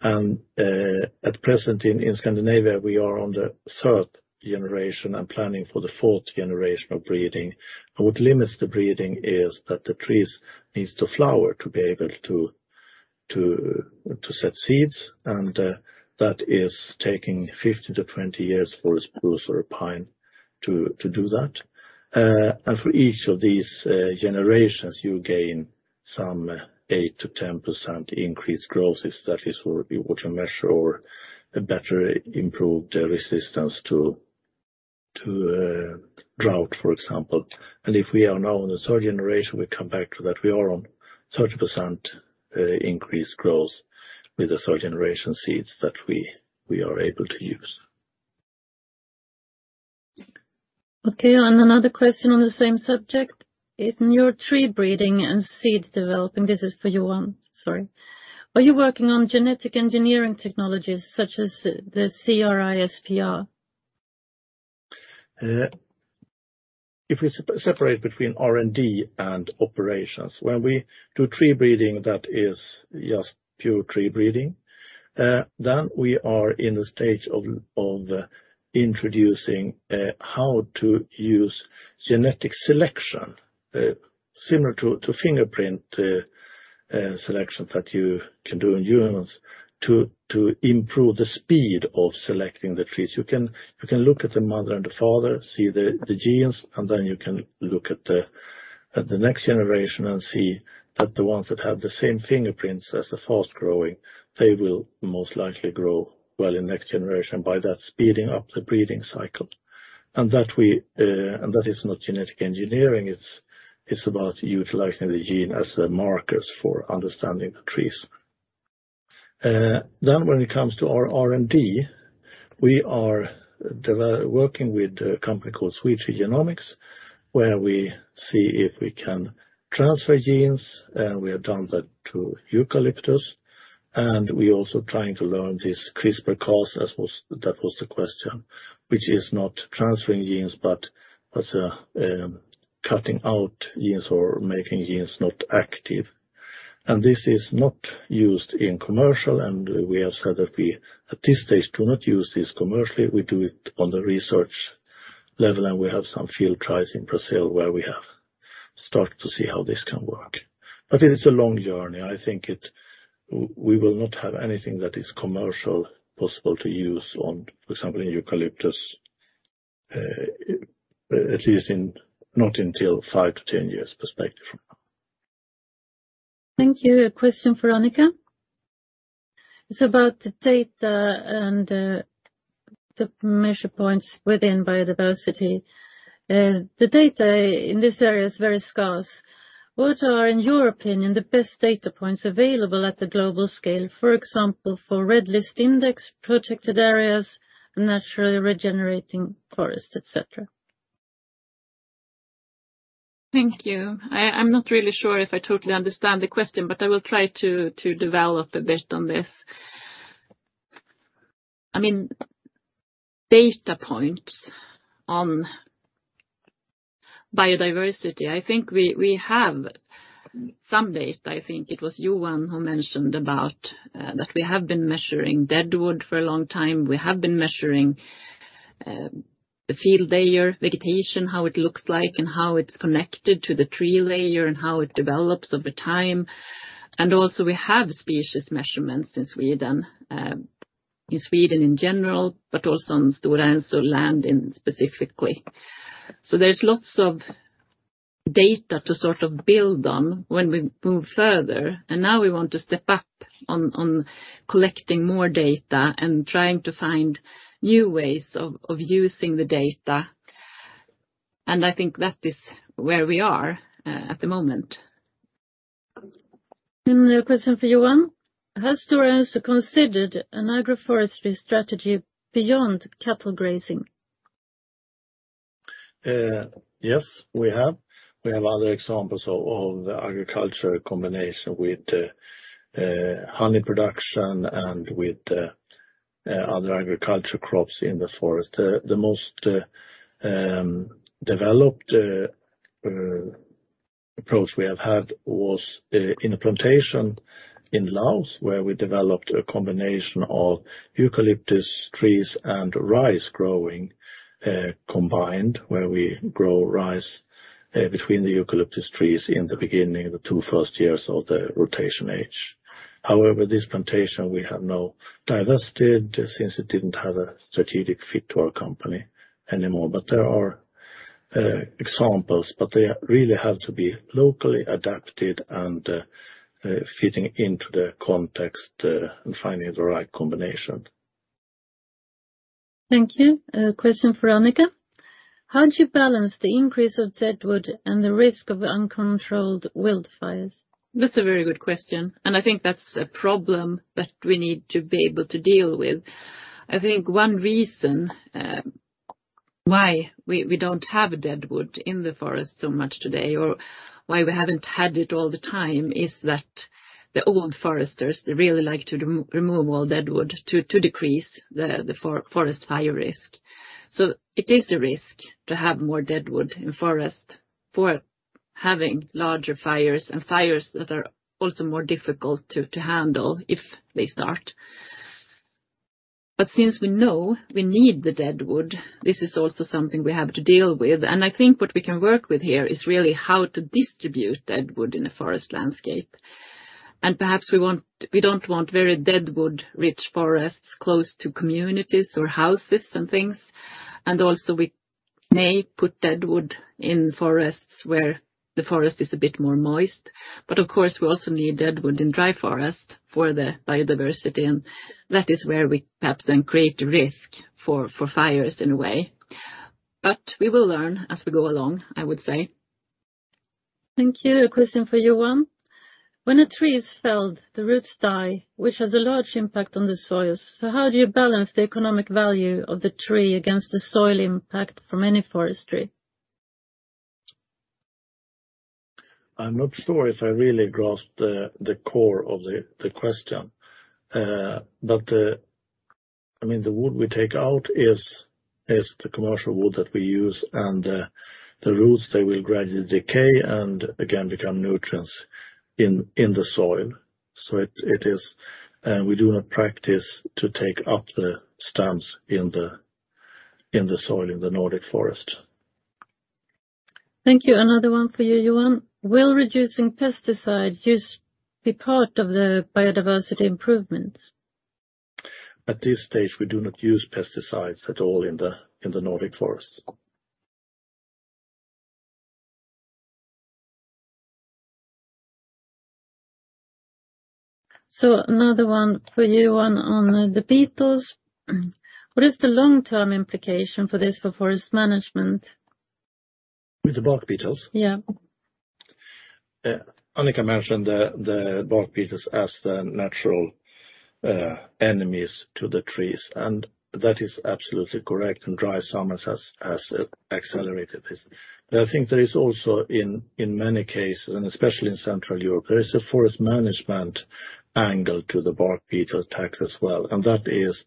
At present in Scandinavia, we are on the third generation and planning for the fourth generation of breeding. What limits the breeding is that the trees needs to flower to be able to set seeds, and that is taking 15-20 years for a spruce or a pine to do that. For each of these generations, you gain some 8%-10% increased growth if that's what you want to measure or a better improved resistance to drought, for example. If we are now on the third generation, we come back to that we are on 30% increased growth with the third generation seeds that we are able to use. Okay, another question on the same subject. In your tree breeding and seed developing, this is for Johan, sorry, are you working on genetic engineering technologies such as the CRISPR? If we separate between R&D and operations, when we do tree breeding, that is just pure tree breeding. Then we are in a stage of introducing how to use genetic selection similar to fingerprint selections that you can do in humans to improve the speed of selecting the trees. You can look at the mother and the father, see the genes, and then you can look at the next generation and see that the ones that have the same fingerprints as the fast-growing, they will most likely grow well in next generation by that speeding up the breeding cycle. That is not genetic engineering. It's about utilizing the gene as markers for understanding the trees. When it comes to our R&D, we are working with a company called SweeTree Technologies, where we see if we can transfer genes, and we have done that to eucalyptus. We're also trying to learn this CRISPR-Cas, that was the question, which is not transferring genes, but as a, cutting out genes or making genes not active. This is not used in commercial, and we have said that we, at this stage, do not use this commercially. We do it on the research level, and we have some field trials in Brazil where we have start to see how this can work. It is a long journey. I think we will not have anything that is commercial possible to use on, for example, in eucalyptus, at least not until five to 10 years perspective from now. Thank you. A question for Annika. It's about the data and the measure points within biodiversity. The data in this area is very scarce. What are, in your opinion, the best data points available at the global scale, for example, for Red List Index, protected areas, naturally regenerating forests, et cetera? Thank you. I'm not really sure if I totally understand the question, but I will try to develop a bit on this. I mean, data points on biodiversity, I think we have some data. I think it was Johan who mentioned about that we have been measuring deadwood for a long time. We have been measuring the field layer vegetation, how it looks like and how it's connected to the tree layer and how it develops over time. Also we have species measurements in Sweden in general, but also on Stora Enso land specifically. So there's lots of data to sort of build on when we move further. Now we want to step up on collecting more data and trying to find new ways of using the data. I think that is where we are at the moment. A question for Johan. Has Stora Enso considered an agroforestry strategy beyond cattle grazing? Yes, we have. We have other examples of agriculture combination with honey production and with other agriculture crops in the forest. The most developed approach we have had was in a plantation in Laos, where we developed a combination of eucalyptus trees and rice growing combined, where we grow rice between the eucalyptus trees in the beginning, the two first years of the rotation age. However, this plantation we have now divested since it didn't have a strategic fit to our company anymore. There are examples, but they really have to be locally adapted and fitting into the context and finding the right combination. Thank you. A question for Annika. How do you balance the increase of deadwood and the risk of uncontrolled wildfires? That's a very good question, and I think that's a problem that we need to be able to deal with. I think one reason why we don't have deadwood in the forest so much today, or why we haven't had it all the time, is that our own foresters, they really like to remove all deadwood to decrease the forest fire risk. It is a risk to have more deadwood in the forest for having larger fires and fires that are also more difficult to handle if they start. Since we know we need the deadwood, this is also something we have to deal with. I think what we can work with here is really how to distribute deadwood in a forest landscape. Perhaps we don't want very deadwood rich forests close to communities or houses and things. Also we may put deadwood in forests where the forest is a bit more moist. Of course, we also need deadwood in dry forest for the biodiversity, and that is where we perhaps then create risk for fires in a way. We will learn as we go along, I would say. Thank you. A question for Johan. When a tree is felled, the roots die, which has a large impact on the soils. How do you balance the economic value of the tree against the soil impact from any forestry? I'm not sure if I really grasp the core of the question. I mean, the wood we take out is the commercial wood that we use, and the roots they will gradually decay and again become nutrients in the soil. It is we do not practice to take up the stumps in the soil in the Nordic forest. Thank you. Another one for you, Johan. Will reducing pesticide use be part of the biodiversity improvements? At this stage, we do not use pesticides at all in the Nordic forest. Another one for Johan on the beetles. What is the long-term implication for this for forest management? With the bark beetles? Yeah. Annika mentioned the bark beetles as the natural enemies to the trees, and that is absolutely correct, and dry summers has accelerated this. I think there is also in many cases, and especially in Central Europe, there is a forest management angle to the bark beetle attacks as well. That is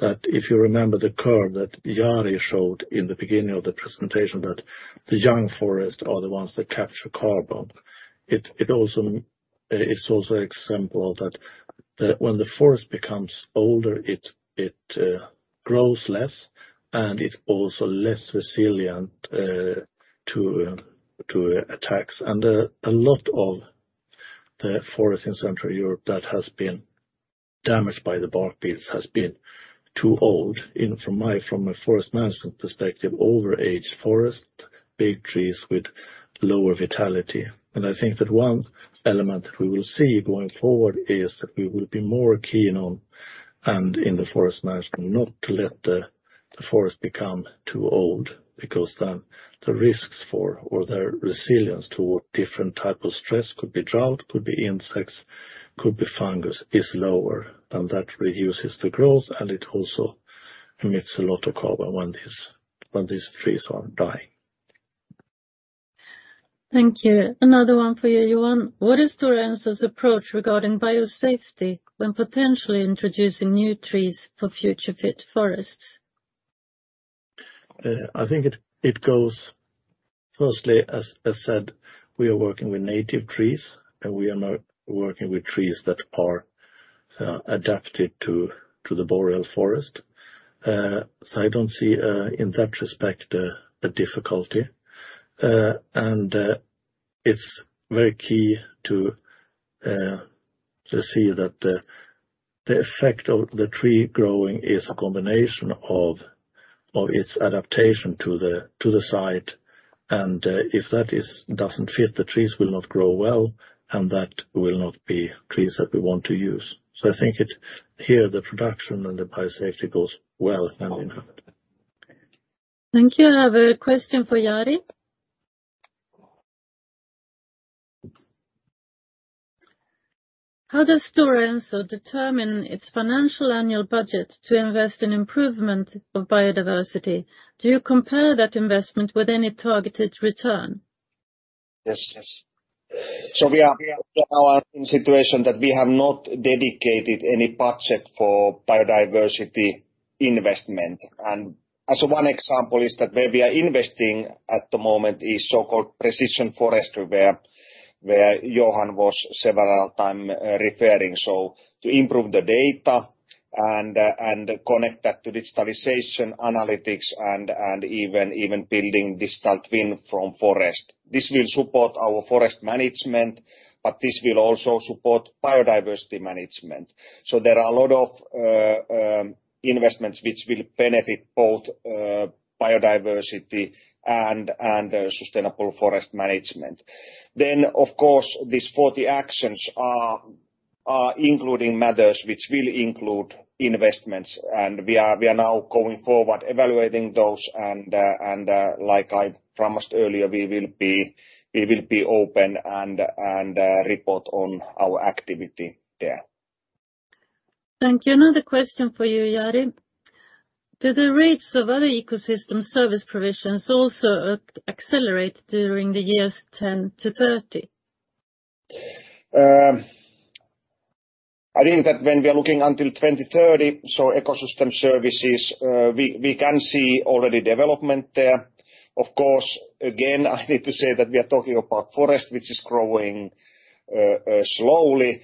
that if you remember the curve that Jari showed in the beginning of the presentation, that the young forest are the ones that capture carbon. It's also example that when the forest becomes older, it grows less and it's also less resilient to attacks. A lot of the forest in Central Europe that has been damaged by the bark beetles has been too old. From a forest management perspective, overage forest, big trees with lower vitality. I think that one element we will see going forward is that we will be more keen on, and in the forest management, not to let the forest become too old because then or their resilience toward different type of stress could be drought, could be insects, could be fungus, is lower, and that reduces the growth, and it also emits a lot of carbon when these trees are dying. Thank you. Another one for you, Johan. What is Stora Enso's approach regarding biosafety when potentially introducing new trees for Future Fit Forests? I think it goes firstly, as said, we are working with native trees, and we are not working with trees that are adapted to the boreal forest. I don't see in that respect a difficulty. It's very key to see that the effect of the tree growing is a combination of its adaptation to the site, and if that doesn't fit, the trees will not grow well, and that will not be trees that we want to use. I think here, the production and the biosafety goes well hand in hand. Thank you. I have a question for Jari. How does Stora Enso determine its financial annual budget to invest in improvement of biodiversity? Do you compare that investment with any targeted return? Yes, yes. We are in a situation that we have not dedicated any budget for biodiversity investment. As one example is that where we are investing at the moment is so-called precision forestry, where Johan was several times referring. To improve the data and connect that to digitalization, analytics, and even building digital twin from forest. This will support our forest management, but this will also support biodiversity management. There are a lot of investments which will benefit both biodiversity and sustainable forest management. Of course, these 40 actions are including matters which will include investments, and we are now going forward evaluating those, and like I promised earlier, we will be open and report on our activity there. Thank you. Another question for you, Jari. Do the rates of other ecosystem service provisions also accelerate during the years 10-30? I think that when we are looking until 2030, so ecosystem services, we can see already development there. Of course, again, I need to say that we are talking about forest, which is growing slowly.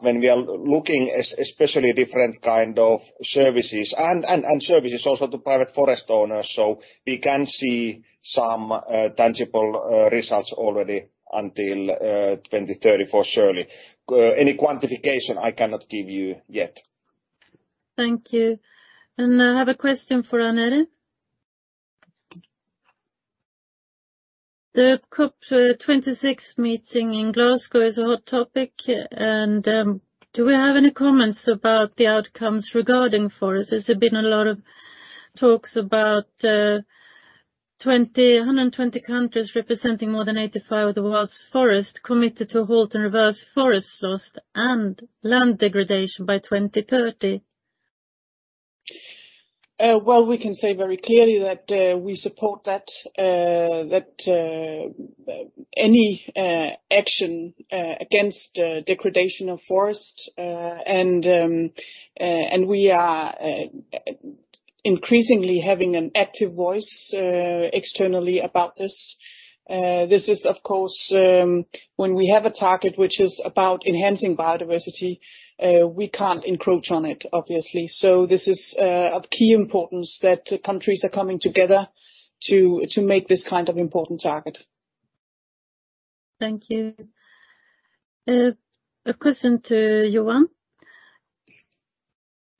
When we are looking especially different kind of services and services also to private forest owners, so we can see some tangible results already until 2030, for sure. Any quantification, I cannot give you yet. Thank you. I have a question for Annette Stube. The COP26 meeting in Glasgow is a hot topic, and do we have any comments about the outcomes regarding forests? There's been a lot of talks about 120 countries representing more than 85% of the world's forest committed to halt and reverse forest loss and land degradation by 2030. Well, we can say very clearly that we support that any action against degradation of forest and we are increasingly having an active voice externally about this. This is, of course, when we have a target which is about enhancing biodiversity, we can't encroach on it, obviously. This is of key importance that countries are coming together to make this kind of important target. Thank you. A question to Johan.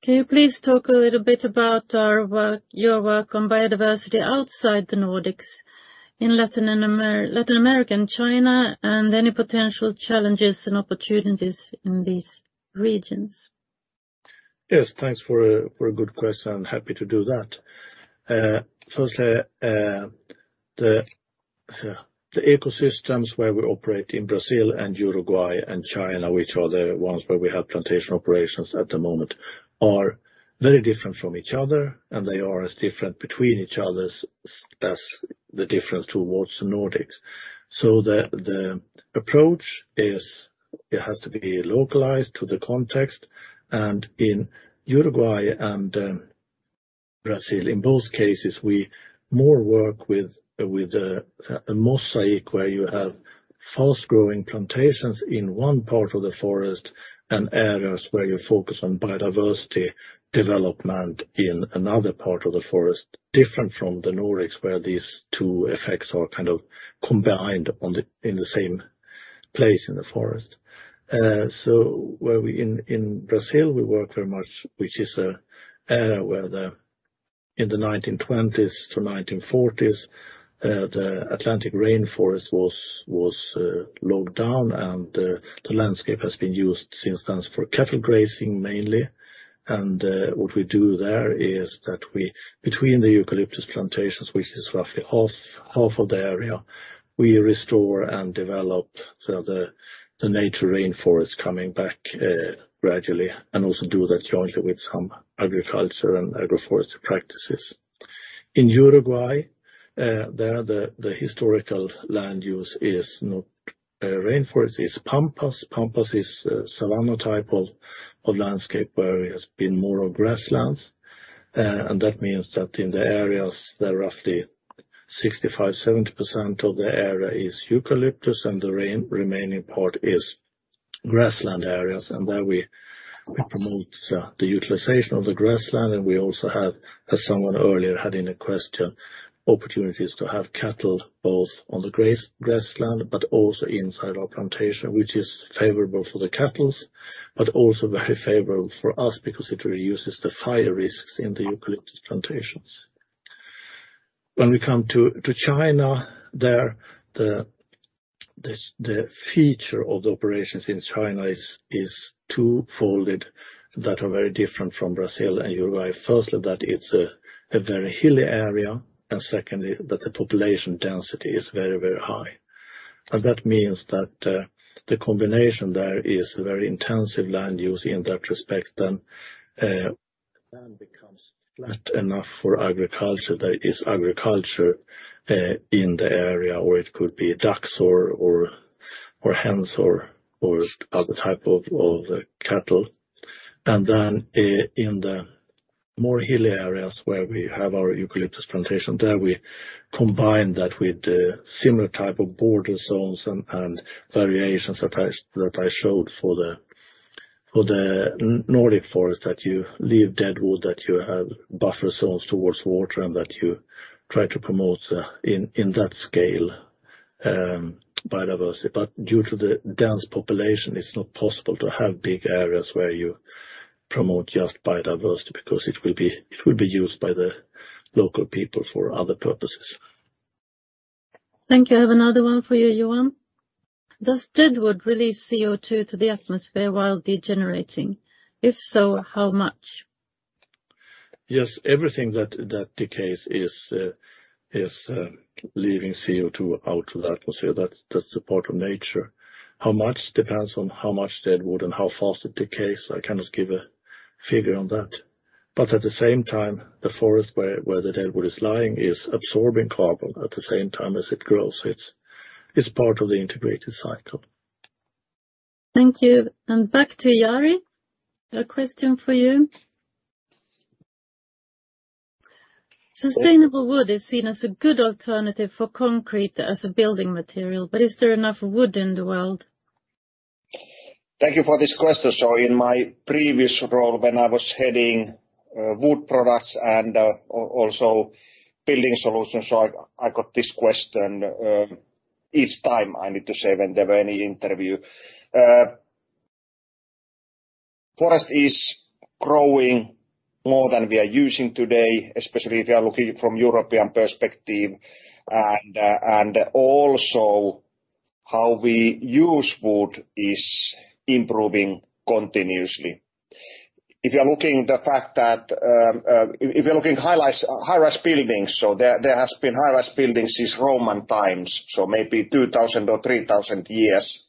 Can you please talk a little bit about our work, your work on biodiversity outside the Nordics in Latin America and China and any potential challenges and opportunities in these regions? Yes. Thanks for a good question. Happy to do that. Firstly, the ecosystems where we operate in Brazil and Uruguay and China, which are the ones where we have plantation operations at the moment, are very different from each other, and they are as different between each other's as the difference towards the Nordics. The approach is it has to be localized to the context. In Uruguay and Brazil, in both cases, we more work with a mosaic where you have fast-growing plantations in one part of the forest and areas where you focus on biodiversity development in another part of the forest, different from the Nordics, where these two effects are kind of combined in the same place in the forest. In Brazil, we work very much, which is an area where, in the 1920s to 1940s, the Atlantic rainforest was logged down and the landscape has been used since then for cattle grazing mainly. What we do there is that we, between the eucalyptus plantations, which is roughly half of the area, restore and develop the native rainforest coming back gradually and also do that jointly with some agriculture and agroforestry practices. In Uruguay, the historical land use is not rainforest, it's Pampas. Pampas is a savanna type of landscape where it has been more of grasslands. That means that in the areas, roughly 65%-70% of the area is eucalyptus, and the remaining part is grassland areas. There we promote the utilization of the grassland, and we also have, as someone earlier had in a question, opportunities to have cattle both on the grassland but also inside our plantation, which is favorable for the cattle, but also very favorable for us because it reduces the fire risks in the eucalyptus plantations. When we come to China, there the feature of the operations in China is twofold that are very different from Brazil and Uruguay. Firstly, that it's a very hilly area, and secondly, that the population density is very, very high. That means that the combination there is very intensive land use in that respect. Land becomes flat enough for agriculture. There is agriculture in the area where it could be ducks or hens or other type of cattle. In the more hilly areas where we have our eucalyptus plantation, there we combine that with the similar type of border zones and variations that I that I showed for the, for the Nordic forest, that you leave dead wood, that you have buffer zones towards water, and that you try to promote, in that scale, biodiversity. Due to the dense population, it's not possible to have big areas where you promote just biodiversity because it will be used by the local people for other purposes. Thank you. I have another one for you, Johan. Does deadwood release CO2 to the atmosphere while degenerating? If so, how much? Yes, everything that decays is leaving CO₂ out to the atmosphere. That's a part of nature. How much depends on how much dead wood and how fast it decays. I cannot give a figure on that. At the same time, the forest where the dead wood is lying is absorbing carbon at the same time as it grows. It's part of the integrated cycle. Thank you. Back to Jari. A question for you. Sustainable wood is seen as a good alternative for concrete as a building material, but is there enough wood in the world? Thank you for this question. In my previous role when I was heading wood products and also building solutions, I got this question each time in any interview. Forest is growing more than we are using today, especially if you are looking from European perspective, and also how we use wood is improving continuously. If you are looking at the fact that high-rise buildings, there has been high-rise buildings since Roman times, so maybe 2000 or 3000 years.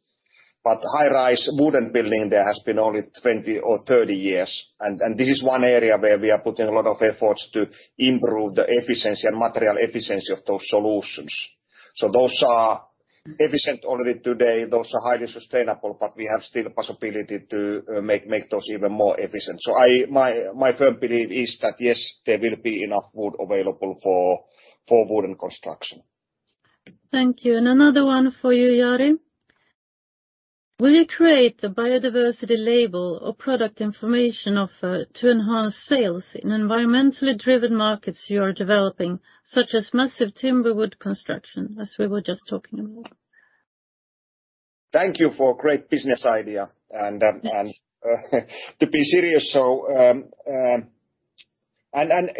High-rise wooden building, there has been only 20 or 30 years. This is one area where we are putting a lot of efforts to improve the efficiency and material efficiency of those solutions. Those are efficient already today, those are highly sustainable, but we have still possibility to make those even more efficient. My firm belief is that, yes, there will be enough wood available for wooden construction. Thank you. Another one for you, Jari. Will you create a biodiversity label or product information offer to enhance sales in environmentally driven markets you are developing, such as mass timber wood construction, as we were just talking about? Thank you for the great business idea and to be serious,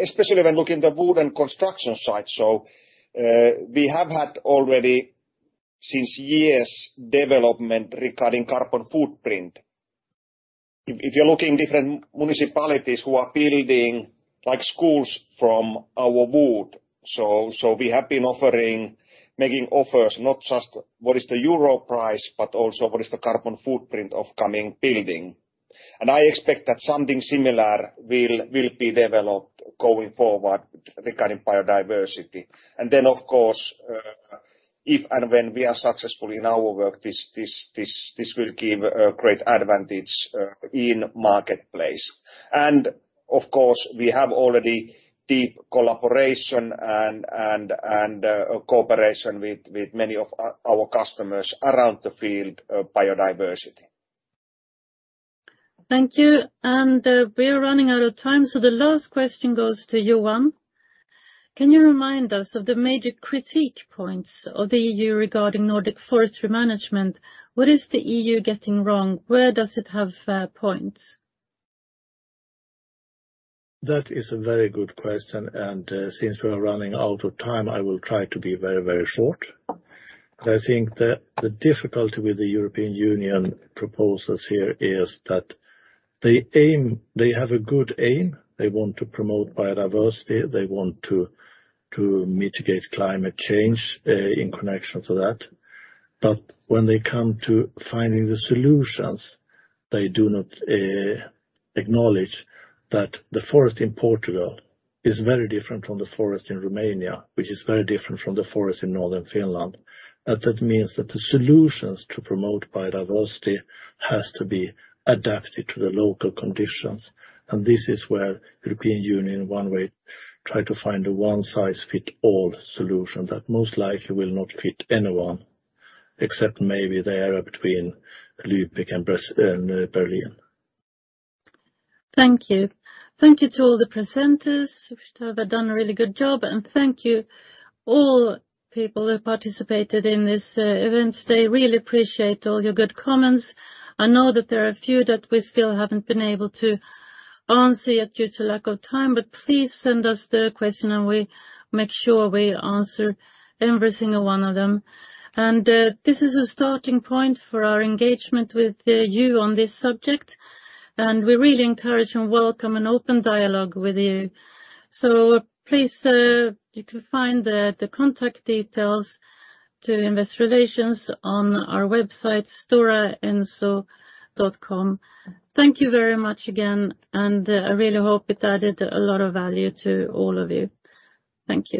especially when looking at the wooden construction site, we have had already for years development regarding carbon footprint. If you're looking at different municipalities who are building, like, schools from our wood, we have been making offers not just what is the euro price, but also what is the carbon footprint of the coming building. I expect that something similar will be developed going forward regarding biodiversity. Of course, if and when we are successful in our work, this will give a great advantage in the marketplace. We have already deep collaboration and cooperation with many of our customers around the field of biodiversity. Thank you. We are running out of time, so the last question goes to Johan. Can you remind us of the major critique points of the EU regarding Nordic forestry management? What is the EU getting wrong? Where does it have points? That is a very good question, and since we're running out of time, I will try to be very, very short. I think the difficulty with the European Union proposals here is that they have a good aim. They want to promote biodiversity, they want to mitigate climate change in connection to that. When they come to finding the solutions, they do not acknowledge that the forest in Portugal is very different from the forest in Romania, which is very different from the forest in northern Finland. That means that the solutions to promote biodiversity has to be adapted to the local conditions. This is where European Union, in one way, try to find a one-size-fits-all solution that most likely will not fit anyone except maybe the area between Lübeck and Berlin. Thank you. Thank you to all the presenters, which they have done a really good job. Thank you all people who participated in this event today. Really appreciate all your good comments. I know that there are a few that we still haven't been able to answer yet due to lack of time, but please send us the question, and we make sure we answer every single one of them. This is a starting point for our engagement with you on this subject, and we really encourage and welcome an open dialogue with you. Please, you can find the contact details to investor relations on our website, storaenso.com. Thank you very much again, and I really hope it added a lot of value to all of you. Thank you.